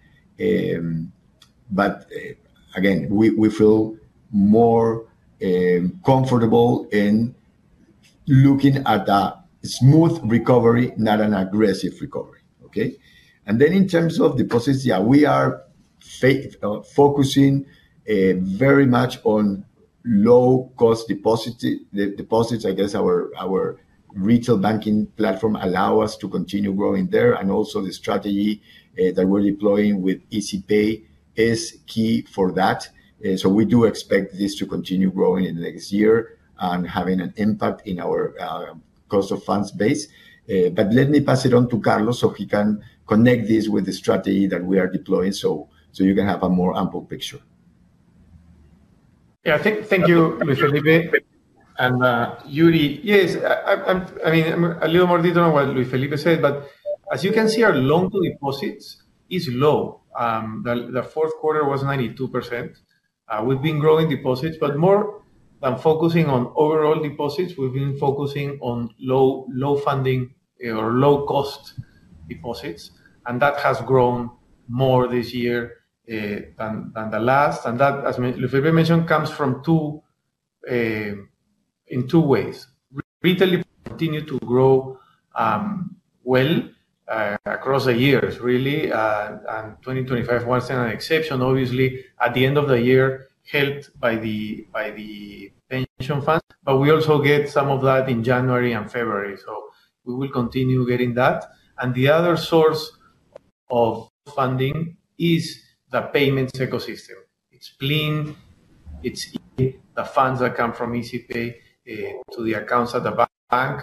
Speaker 3: But again, we feel more comfortable in looking at a smooth recovery, not an aggressive recovery, okay? And then in terms of deposits, yeah, we are focusing very much on low-cost deposits. I guess our retail banking platform allow us to continue growing there, and also the strategy that we're deploying with Izipay is key for that. So we do expect this to continue growing in the next year and having an impact in our cost of funds base. But let me pass it on to Carlos, so he can connect this with the strategy that we are deploying, so you can have a more ample picture.
Speaker 7: Yeah, thank you, Luis Felipe, and, Yuri. Yes, I'm I mean, a little more detail on what Luis Felipe said, but as you can see, our loan-to-deposits is low. The fourth quarter was 92%. We've been growing deposits, but more than focusing on overall deposits, we've been focusing on low, low funding or low-cost deposits, and that has grown more this year, than the last. And that, as Luis Felipe mentioned, comes from two, in two ways. Retail continue to grow, well, across the years, really, and 2025 wasn't an exception. Obviously, at the end of the year, helped by the pension fund, but we also get some of that in January and February, so we will continue getting that. And the other source of funding is the payments ecosystem. It's Plin, it's Izipay, the funds that come from Izipay to the accounts at the bank.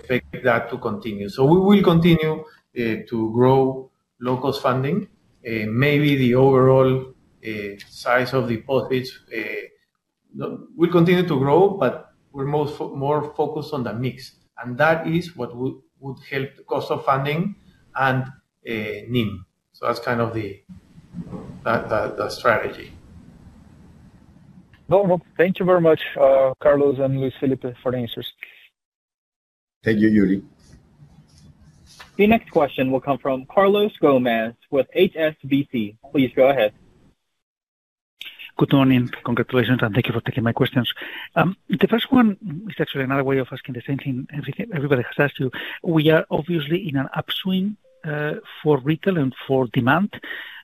Speaker 7: Expect that to continue. So we will continue to grow low-cost funding. Maybe the overall size of deposits will continue to grow, but we're more focused on the mix, and that is what would help the cost of funding and NIM. So that's kind of the strategy.
Speaker 9: No, well, thank you very much, Carlos and Luis Felipe, for the answers.
Speaker 3: Thank you, Yuri.
Speaker 1: The next question will come from Carlos Gomez with HSBC. Please go ahead.
Speaker 10: Good morning, congratulations, and thank you for taking my questions. The first one is actually another way of asking the same thing everybody has asked you. We are obviously in an upswing for retail and for demand.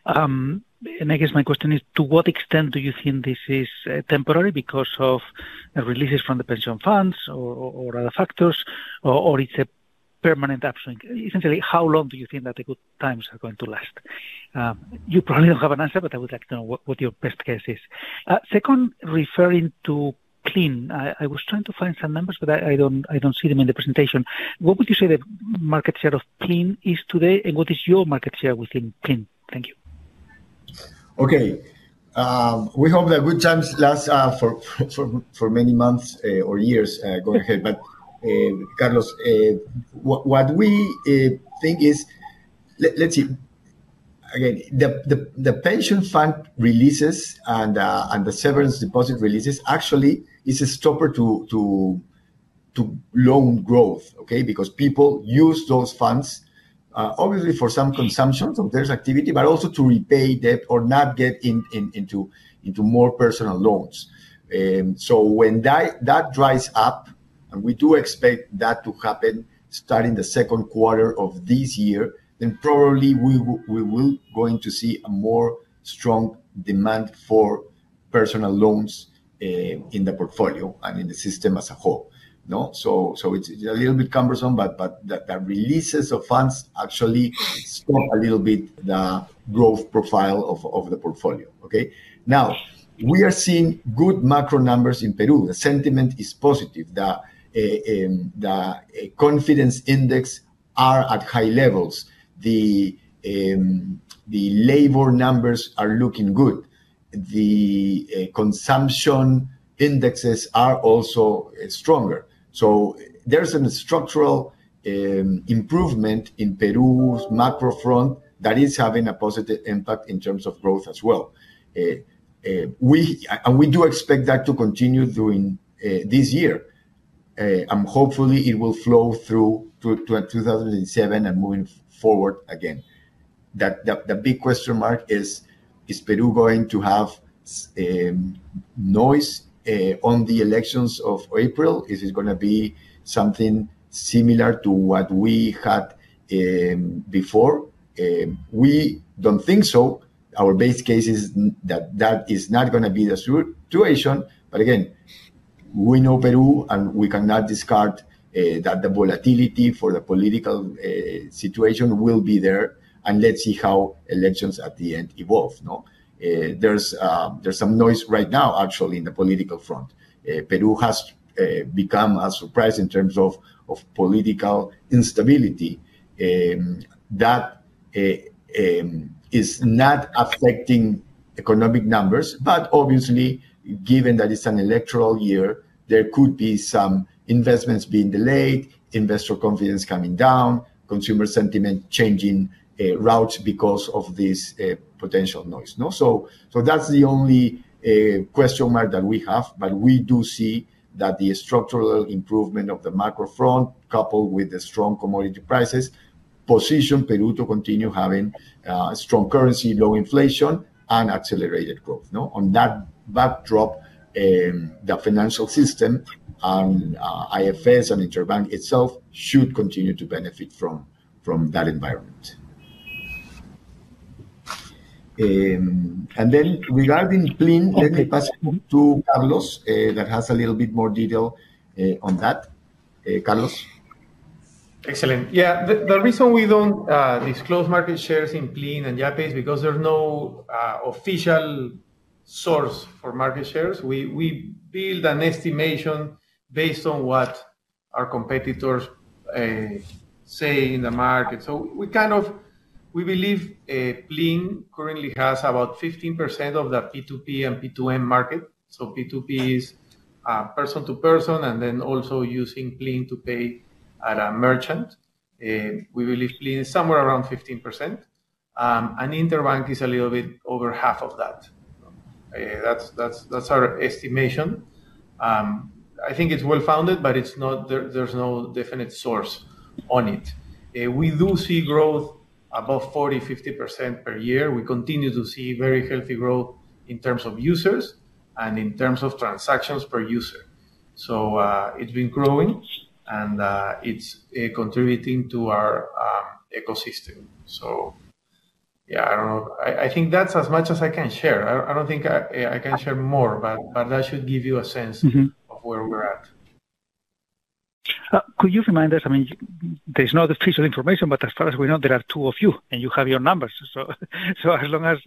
Speaker 10: I guess my question is: to what extent do you think this is temporary because of releases from the pension funds or other factors, or it's a permanent upswing? Essentially, how long do you think that the good times are going to last? You probably don't have an answer, but I would like to know what your best guess is. Second, referring to Plin, I was trying to find some numbers, but I don't see them in the presentation. What would you say the market share of Plin is today, and what is your market share within Plin? Thank you.
Speaker 3: Okay. We hope the good times last for many months or years going ahead. But, Carlos, what we think is let's see. Again, the pension fund releases and the severance deposit releases actually is a stopper to loan growth, okay? Because people use those funds obviously for some consumption, so there's activity, but also to repay debt or not get into more personal loans. So when that dries up, and we do expect that to happen starting the second quarter of this year, then probably we will going to see a more strong demand for personal loans in the portfolio and in the system as a whole, no? So it's a little bit cumbersome, but the releases of funds actually stop a little bit the growth profile of the portfolio, okay? Now, we are seeing good macro numbers in Peru. The sentiment is positive. The confidence index are at high levels. The labor numbers are looking good. The consumption indexes are also stronger. So there is a structural improvement in Peru's macro front that is having a positive impact in terms of growth as well. And we do expect that to continue during this year. And hopefully it will flow through to 2007 and moving forward again. That the big question mark is Peru going to have noise on the elections of April? Is it gonna be something similar to what we had before? We don't think so. Our base case is that that is not gonna be the situation, but again, we know Peru, and we cannot discard that the volatility for the political situation will be there, and let's see how elections at the end evolve, no? There's some noise right now, actually, in the political front. Peru has become a surprise in terms of, of political instability. That is not affecting economic numbers, but obviously, given that it's an electoral year, there could be some investments being delayed, investor confidence coming down, consumer sentiment changing, routes because of this, potential noise. No? So that's the only question mark that we have, but we do see that the structural improvement of the macro front, coupled with the strong commodity prices, position Peru to continue having strong currency, low inflation, and accelerated growth, no? On that backdrop, the financial system and IFS and Interbank itself should continue to benefit from that environment. And then regarding Plin, let me pass it to Carlos that has a little bit more detail on that. Carlos?
Speaker 7: Excellent. Yeah, the reason we don't disclose market shares in Plin and Yape is because there's no official source for market shares. We build an estimation based on what our competitors say in the market. So we kind of believe Plin currently has about 15% of the P2P and P2M market. So P2P is person to person, and then also using Plin to pay at a merchant. We believe Plin is somewhere around 15%, and Interbank is a little bit over half of that. That's our estimation. I think it's well-founded, but it's not. There's no definite source on it. We do see growth above 40-50% per year. We continue to see very healthy growth in terms of users and in terms of transactions per user. So, it's been growing, and, it's, contributing to our, ecosystem. So yeah, I don't know. I, I think that's as much as I can share. I, I don't think I, I can share more, but, but that should give you a sense of where we're at.
Speaker 10: Could you remind us, I mean, there's no official information, but as far as we know, there are two of you, and you have your numbers. So, as long as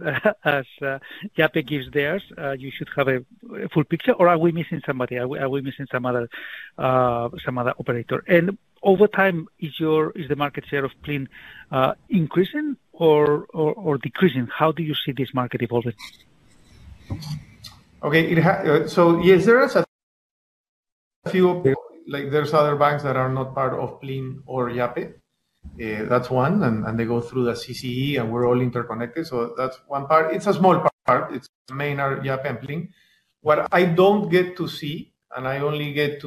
Speaker 10: Yape gives theirs, you should have a full picture, or are we missing somebody? Are we missing some other operator? And over time, is the market share of Plin increasing or decreasing? How do you see this market evolving?
Speaker 7: Okay, so yes, there is a few, like there's other banks that are not part of Plin or Yape. That's one, and they go through the CCE, and we're all interconnected, so that's one part. It's a small part. It's mainly Yape and Plin. What I don't get to see, and I only get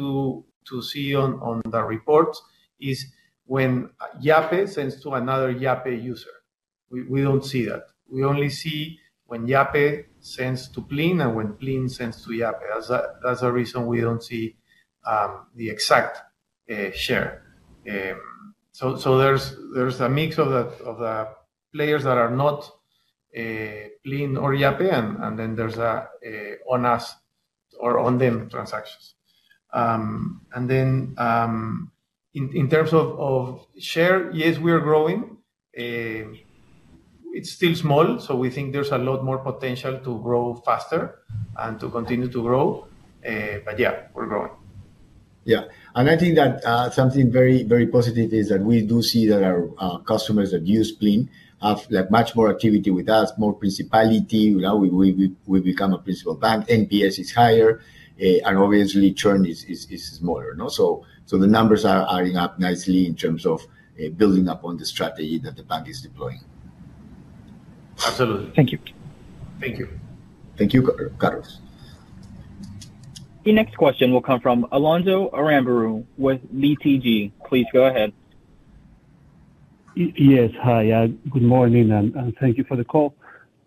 Speaker 7: to see on the reports, is when Yape sends to another Yape user. We don't see that. We only see when Yape sends to Plin and when Plin sends to Yape. That's a reason we don't see the exact share. So there's a mix of the players that are not Plin or Yape, and then there's on us or on them transactions. And then, in terms of share, yes, we are growing. It's still small, so we think there's a lot more potential to grow faster and to continue to grow. But yeah, we're growing.
Speaker 3: Yeah, and I think that something very, very positive is that we do see that our customers that use Plin have, like, much more activity with us, more principally. Now we've become a principal bank. NPS is higher, and obviously churn is smaller, no? So the numbers are adding up nicely in terms of building up on the strategy that the bank is deploying.
Speaker 7: Absolutely.
Speaker 10: Thank you.
Speaker 7: Thank you.
Speaker 3: Thank you, Carlos.
Speaker 1: The next question will come from Alonso Aramburu with BTG. Please go ahead.
Speaker 11: Yes, hi, good morning, and thank you for the call.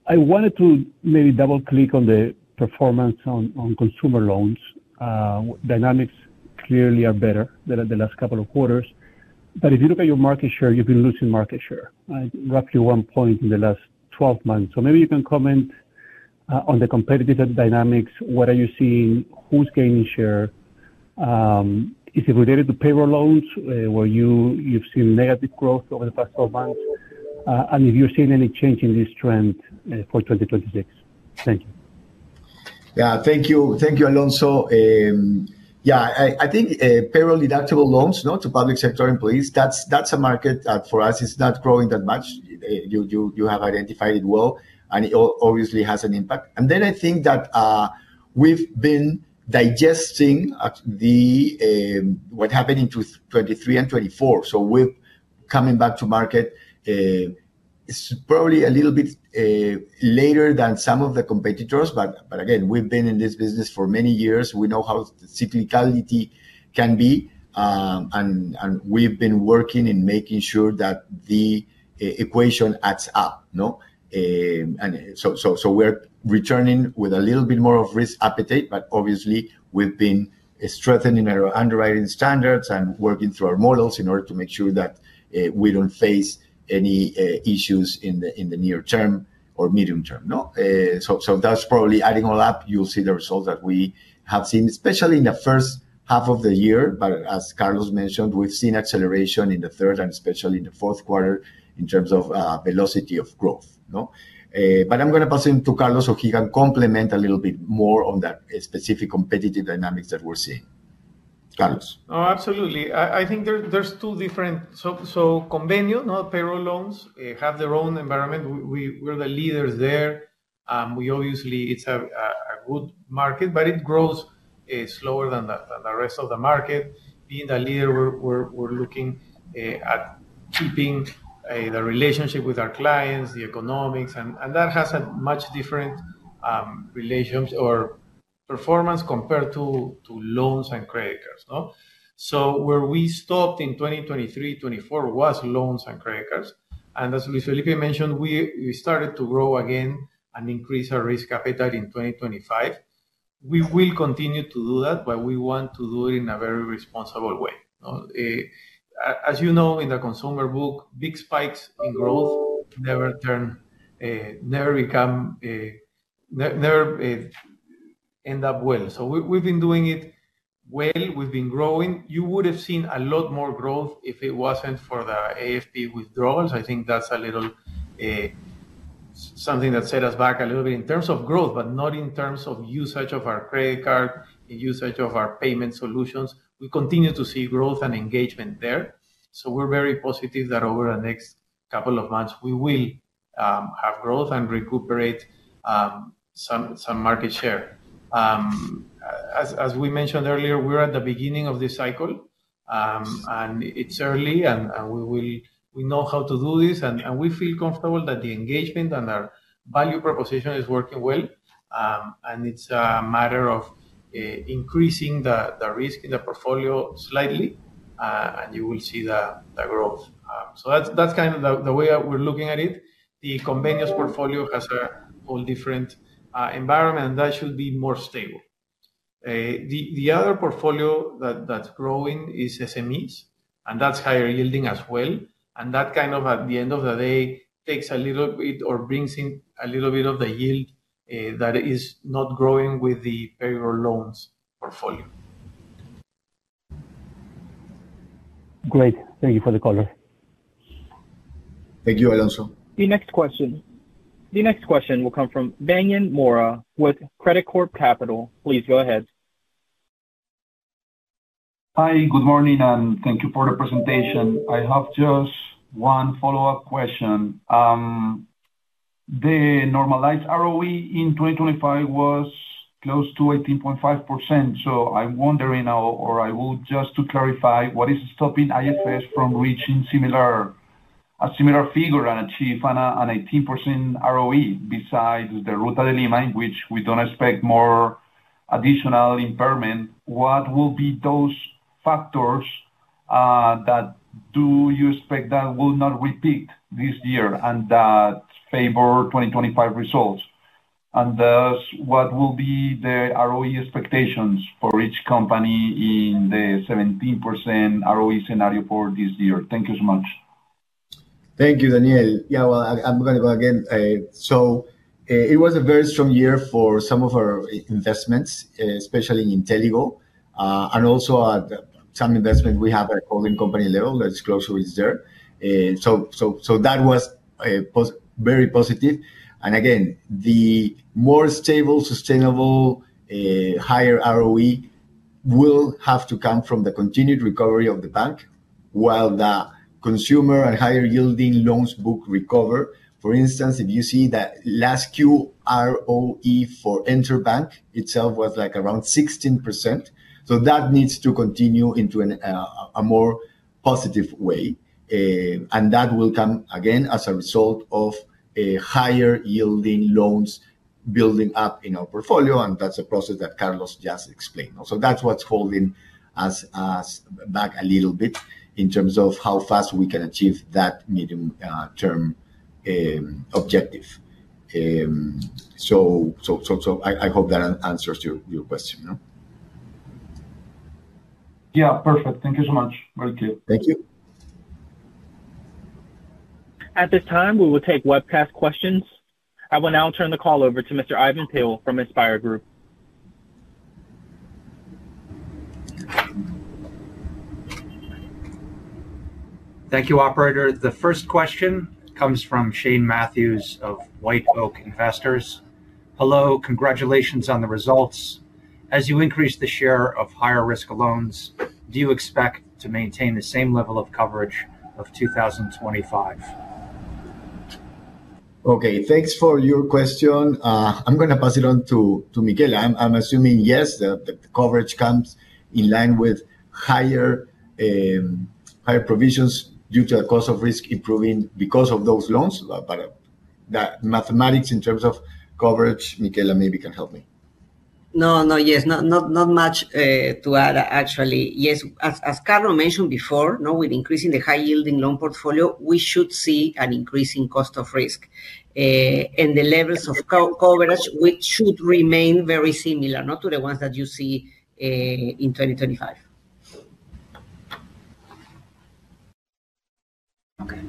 Speaker 11: I wanted to maybe double-click on the performance on consumer loans. Dynamics clearly are better than at the last couple of quarters, but if you look at your market share, you've been losing market share, roughly 1 point in the last 12 months. So maybe you can comment on the competitive dynamics. What are you seeing? Who's gaining share? Is it related to payroll loans, where you've seen negative growth over the past 12 months? And have you seen any change in this trend for 2026? Thank you.
Speaker 3: Yeah, thank you. Thank you, Alonso. Yeah, I think payroll-deductible loans, no, to public sector employees, that's a market that for us is not growing that much. You have identified it well, and it obviously has an impact. And then I think that we've been digesting what happened in 2023 and 2024. So we're coming back to market. It's probably a little bit later than some of the competitors, but again, we've been in this business for many years. We know how the cyclicality can be, and we've been working in making sure that the equation adds up, no? And so we're returning with a little bit more of risk appetite, but obviously, we've been strengthening our underwriting standards and working through our models in order to make sure that we don't face any issues in the near term or medium term, no. So that's probably adding all up. You'll see the results that we have seen, especially in the first half of the year. But as Carlos mentioned, we've seen acceleration in the third and especially in the fourth quarter in terms of velocity of growth, no? But I'm gonna pass it to Carlos, so he can complement a little bit more on that specific competitive dynamics that we're seeing. Carlos.
Speaker 7: Oh, absolutely. I think there are two different. So, convenios, no payroll loans, have their own environment. We are the leaders there. We obviously it's a good market, but it grows slower than the rest of the market. Being the leader, we are looking at keeping the relationship with our clients, the economics, and that has a much different relations or performance compared to loans and credit cards, no? So where we stopped in 2023, 2024 was loans and credit cards, and as Luis Felipe mentioned, we started to grow again and increase our risk appetite in 2025. We will continue to do that, but we want to do it in a very responsible way, no? As you know, in the consumer book, big spikes in growth never turn, never become, never end up well. So we've been doing it well. We've been growing. You would have seen a lot more growth if it wasn't for the AFP withdrawals. I think that's a little something that set us back a little bit in terms of growth, but not in terms of usage of our credit card, usage of our payment solutions. We continue to see growth and engagement there, so we're very positive that over the next couple of months, we will have growth and recuperate some market share. As we mentioned earlier, we're at the beginning of this cycle, and it's early, and we know how to do this, and we feel comfortable that the engagement and our value proposition is working well. And it's a matter of increasing the risk in the portfolio slightly, and you will see the growth. So that's kind of the way that we're looking at it. The convenios portfolio has a whole different environment, and that should be more stable. The other portfolio that's growing is SMEs, and that's higher yielding as well, and that kind of at the end of the day takes a little bit or brings in a little bit of the yield that is not growing with the payroll loans portfolio.
Speaker 11: Great. hank you for the color.
Speaker 3: Thank you, Alonso.
Speaker 1: The next question will come from Daniel Mora with Credicorp Capital. Please go ahead.
Speaker 12: Hi, good morning, and thank you for the presentation. I have just one follow-up question. The normalized ROE in 2025 was close to 18.5%, so I'm wondering now, or I would just to clarify, what is stopping IFS from reaching similar a similar figure and achieve an eighteen percent ROE besides the Rutas de Lima, which we don't expect more additional impairment. What will be those factors, that do you expect that will not repeat this year and that favor 2025 results? And, thus, what will be the ROE expectations for each company in the 17% ROE scenario for this year? Thank you so much.
Speaker 3: Thank you, Daniel. Yeah, well, I'm gonna go again. So, it was a very strong year for some of our investments, especially in Inteligo, and also at some investment we have at holding company level, that's Growth Reserve. So, that was very positive. And again, the more stable, sustainable, higher ROE will have to come from the continued recovery of the bank, while the consumer and higher yielding loans book recover. For instance, if you see that last Q ROE for Interbank itself was, like, around 16%, so that needs to continue into a more positive way. And that will come again as a result of a higher yielding loans building up in our portfolio, and that's a process that Carlos just explained. So that's what's holding us back a little bit in terms of how fast we can achieve that medium-term objective. So I hope that answers your question, no?
Speaker 12: Yeah, perfect. Thank you so much. Thank you.
Speaker 3: Thank you.
Speaker 1: At this time, we will take webcast questions. I will now turn the call over to Mr. Ivan Peill from InspIR Group.
Speaker 2: Thank you, operator. The first question comes from Shane Matthews of White Oak Investors. Hello, congratulations on the results. As you increase the share of higher risk loans, do you expect to maintain the same level of coverage of 2025?
Speaker 3: Okay, thanks for your question. I'm gonna pass it on to Michela. I'm assuming, yes, the coverage comes in line with higher provisions due to a cost of risk improving because of those loans. But the mathematics in terms of coverage, Michela maybe can help me.
Speaker 4: Not much to add, actually. Yes, as Carlos mentioned before, you know, with increasing the high-yielding loan portfolio, we should see an increase in cost of risk, and the levels of coverage, which should remain very similar, not to the ones that you see in 2025. Okay.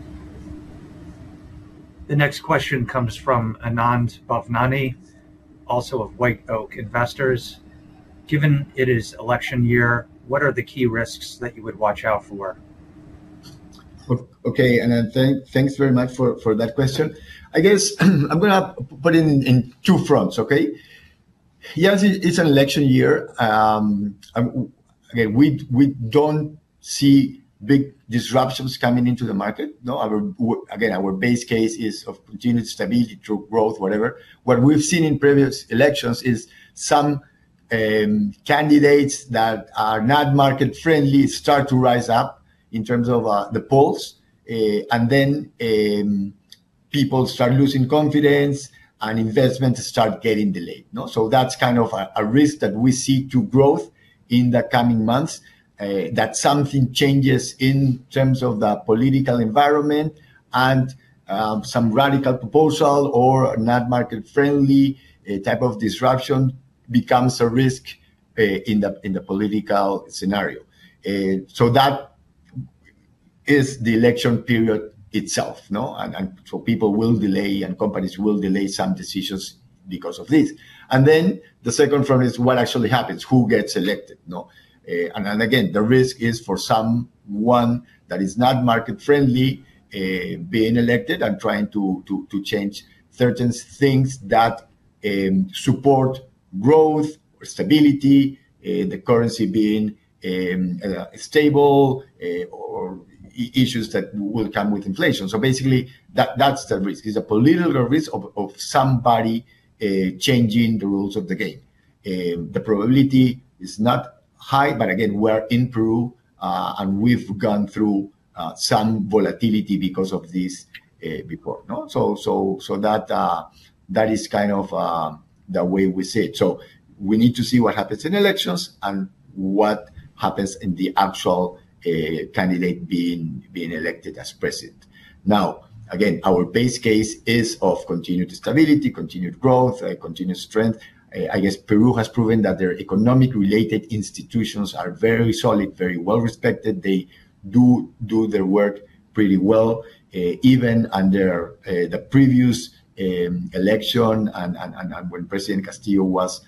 Speaker 2: The next question comes from Anand Bhavnani, also of White Oak Investors: Given it is election year, what are the key risks that you would watch out for?
Speaker 3: Okay, Anand, thanks very much for that question. I guess I'm gonna put it in two fronts, okay? Yes, it's an election year. Again, we don't see big disruptions coming into the market. No. Again, our base case is of continued stability through growth, whatever. What we've seen in previous elections is some candidates that are not market-friendly start to rise up in terms of the polls, and then people start losing confidence and investments start getting delayed. No, so that's kind of a risk that we see to growth in the coming months, that something changes in terms of the political environment and some radical proposal or not market-friendly type of disruption becomes a risk in the political scenario. So that is the election period itself, no? So people will delay, and companies will delay some decisions because of this. Then, the second front is what actually happens, who gets elected, no? Again, the risk is for someone that is not market-friendly being elected and trying to change certain things that support growth or stability, the currency being stable, or issues that will come with inflation. So basically, that's the risk. It's a political risk of somebody changing the rules of the game. The probability is not high, but again, we're in Peru, and we've gone through some volatility because of this before, no? So, that is kind of the way we see it. So we need to see what happens in elections and what happens in the actual candidate being elected as president. Now, again, our base case is of continued stability, continued growth, continued strength. I guess Peru has proven that their economic-related institutions are very solid, very well-respected. They do their work pretty well, even under the previous election and when President Castillo was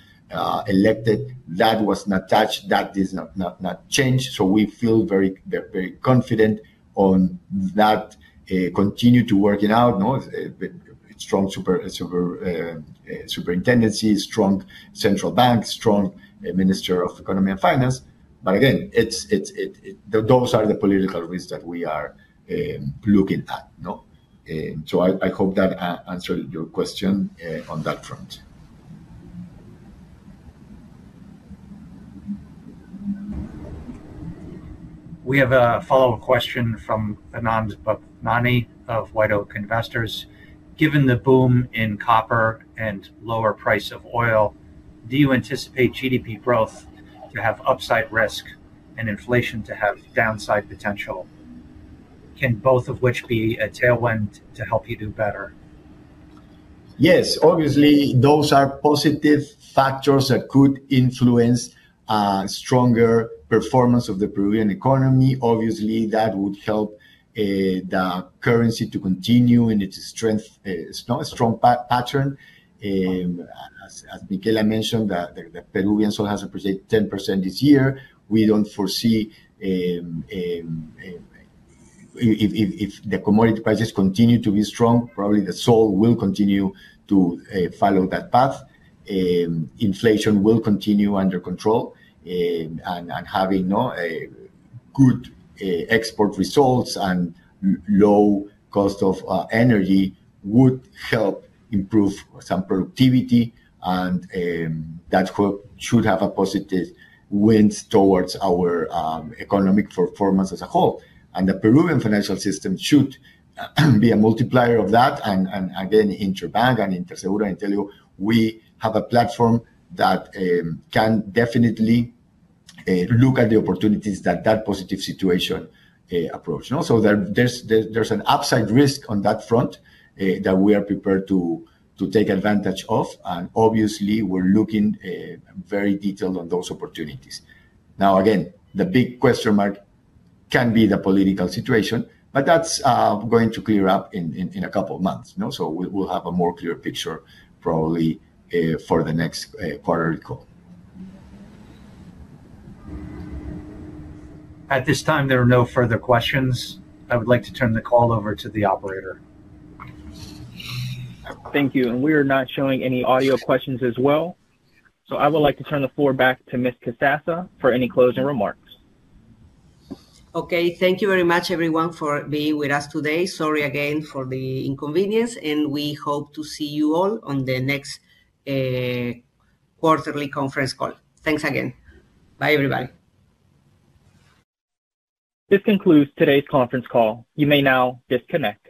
Speaker 3: elected, that was not touched, that is not changed. So we feel very confident on that, continue to working out, no? With strong superintendency, strong central bank, strong minister of economy and finance. But again, it's those are the political risks that we are looking at, no? So I hope that answered your question on that front.
Speaker 2: We have a follow-up question from Anand Bhavnani of White Oak Investors: Given the boom in copper and lower price of oil, do you anticipate GDP growth to have upside risk and inflation to have downside potential? Can both of which be a tailwind to help you do better?
Speaker 3: Yes, obviously, those are positive factors that could influence stronger performance of the Peruvian economy. Obviously, that would help the currency to continue in its strength strong pattern. As Michela mentioned, the Peruvian sol has appreciated 10% this year. We don't foresee, if the commodity prices continue to be strong, probably the sol will continue to follow that path. Inflation will continue under control, and having a good export results and low cost of energy would help improve some productivity, and that should have a positive wind towards our economic performance as a whole. The Peruvian financial system should be a multiplier of that, and again, in Interbank and in Interseguro, I tell you, we have a platform that can definitely look at the opportunities that positive situation approach. No, so there, there's an upside risk on that front that we are prepared to take advantage of, and obviously, we're looking very detailed on those opportunities. Now, again, the big question mark can be the political situation, but that's going to clear up in a couple of months, no? So we'll have a more clear picture probably for the next quarterly call.
Speaker 2: At this time, there are no further questions. I would like to turn the call over to the operator.
Speaker 1: Thank you, and we are not showing any audio questions as well. I would like to turn the floor back to Ms. Casassa for any closing remarks.
Speaker 4: Okay, thank you very much, everyone, for being with us today. Sorry again for the inconvenience, and we hope to see you all on the next quarterly conference call. Thanks again. Bye, everybody.
Speaker 1: This concludes today's conference call. You may now disconnect.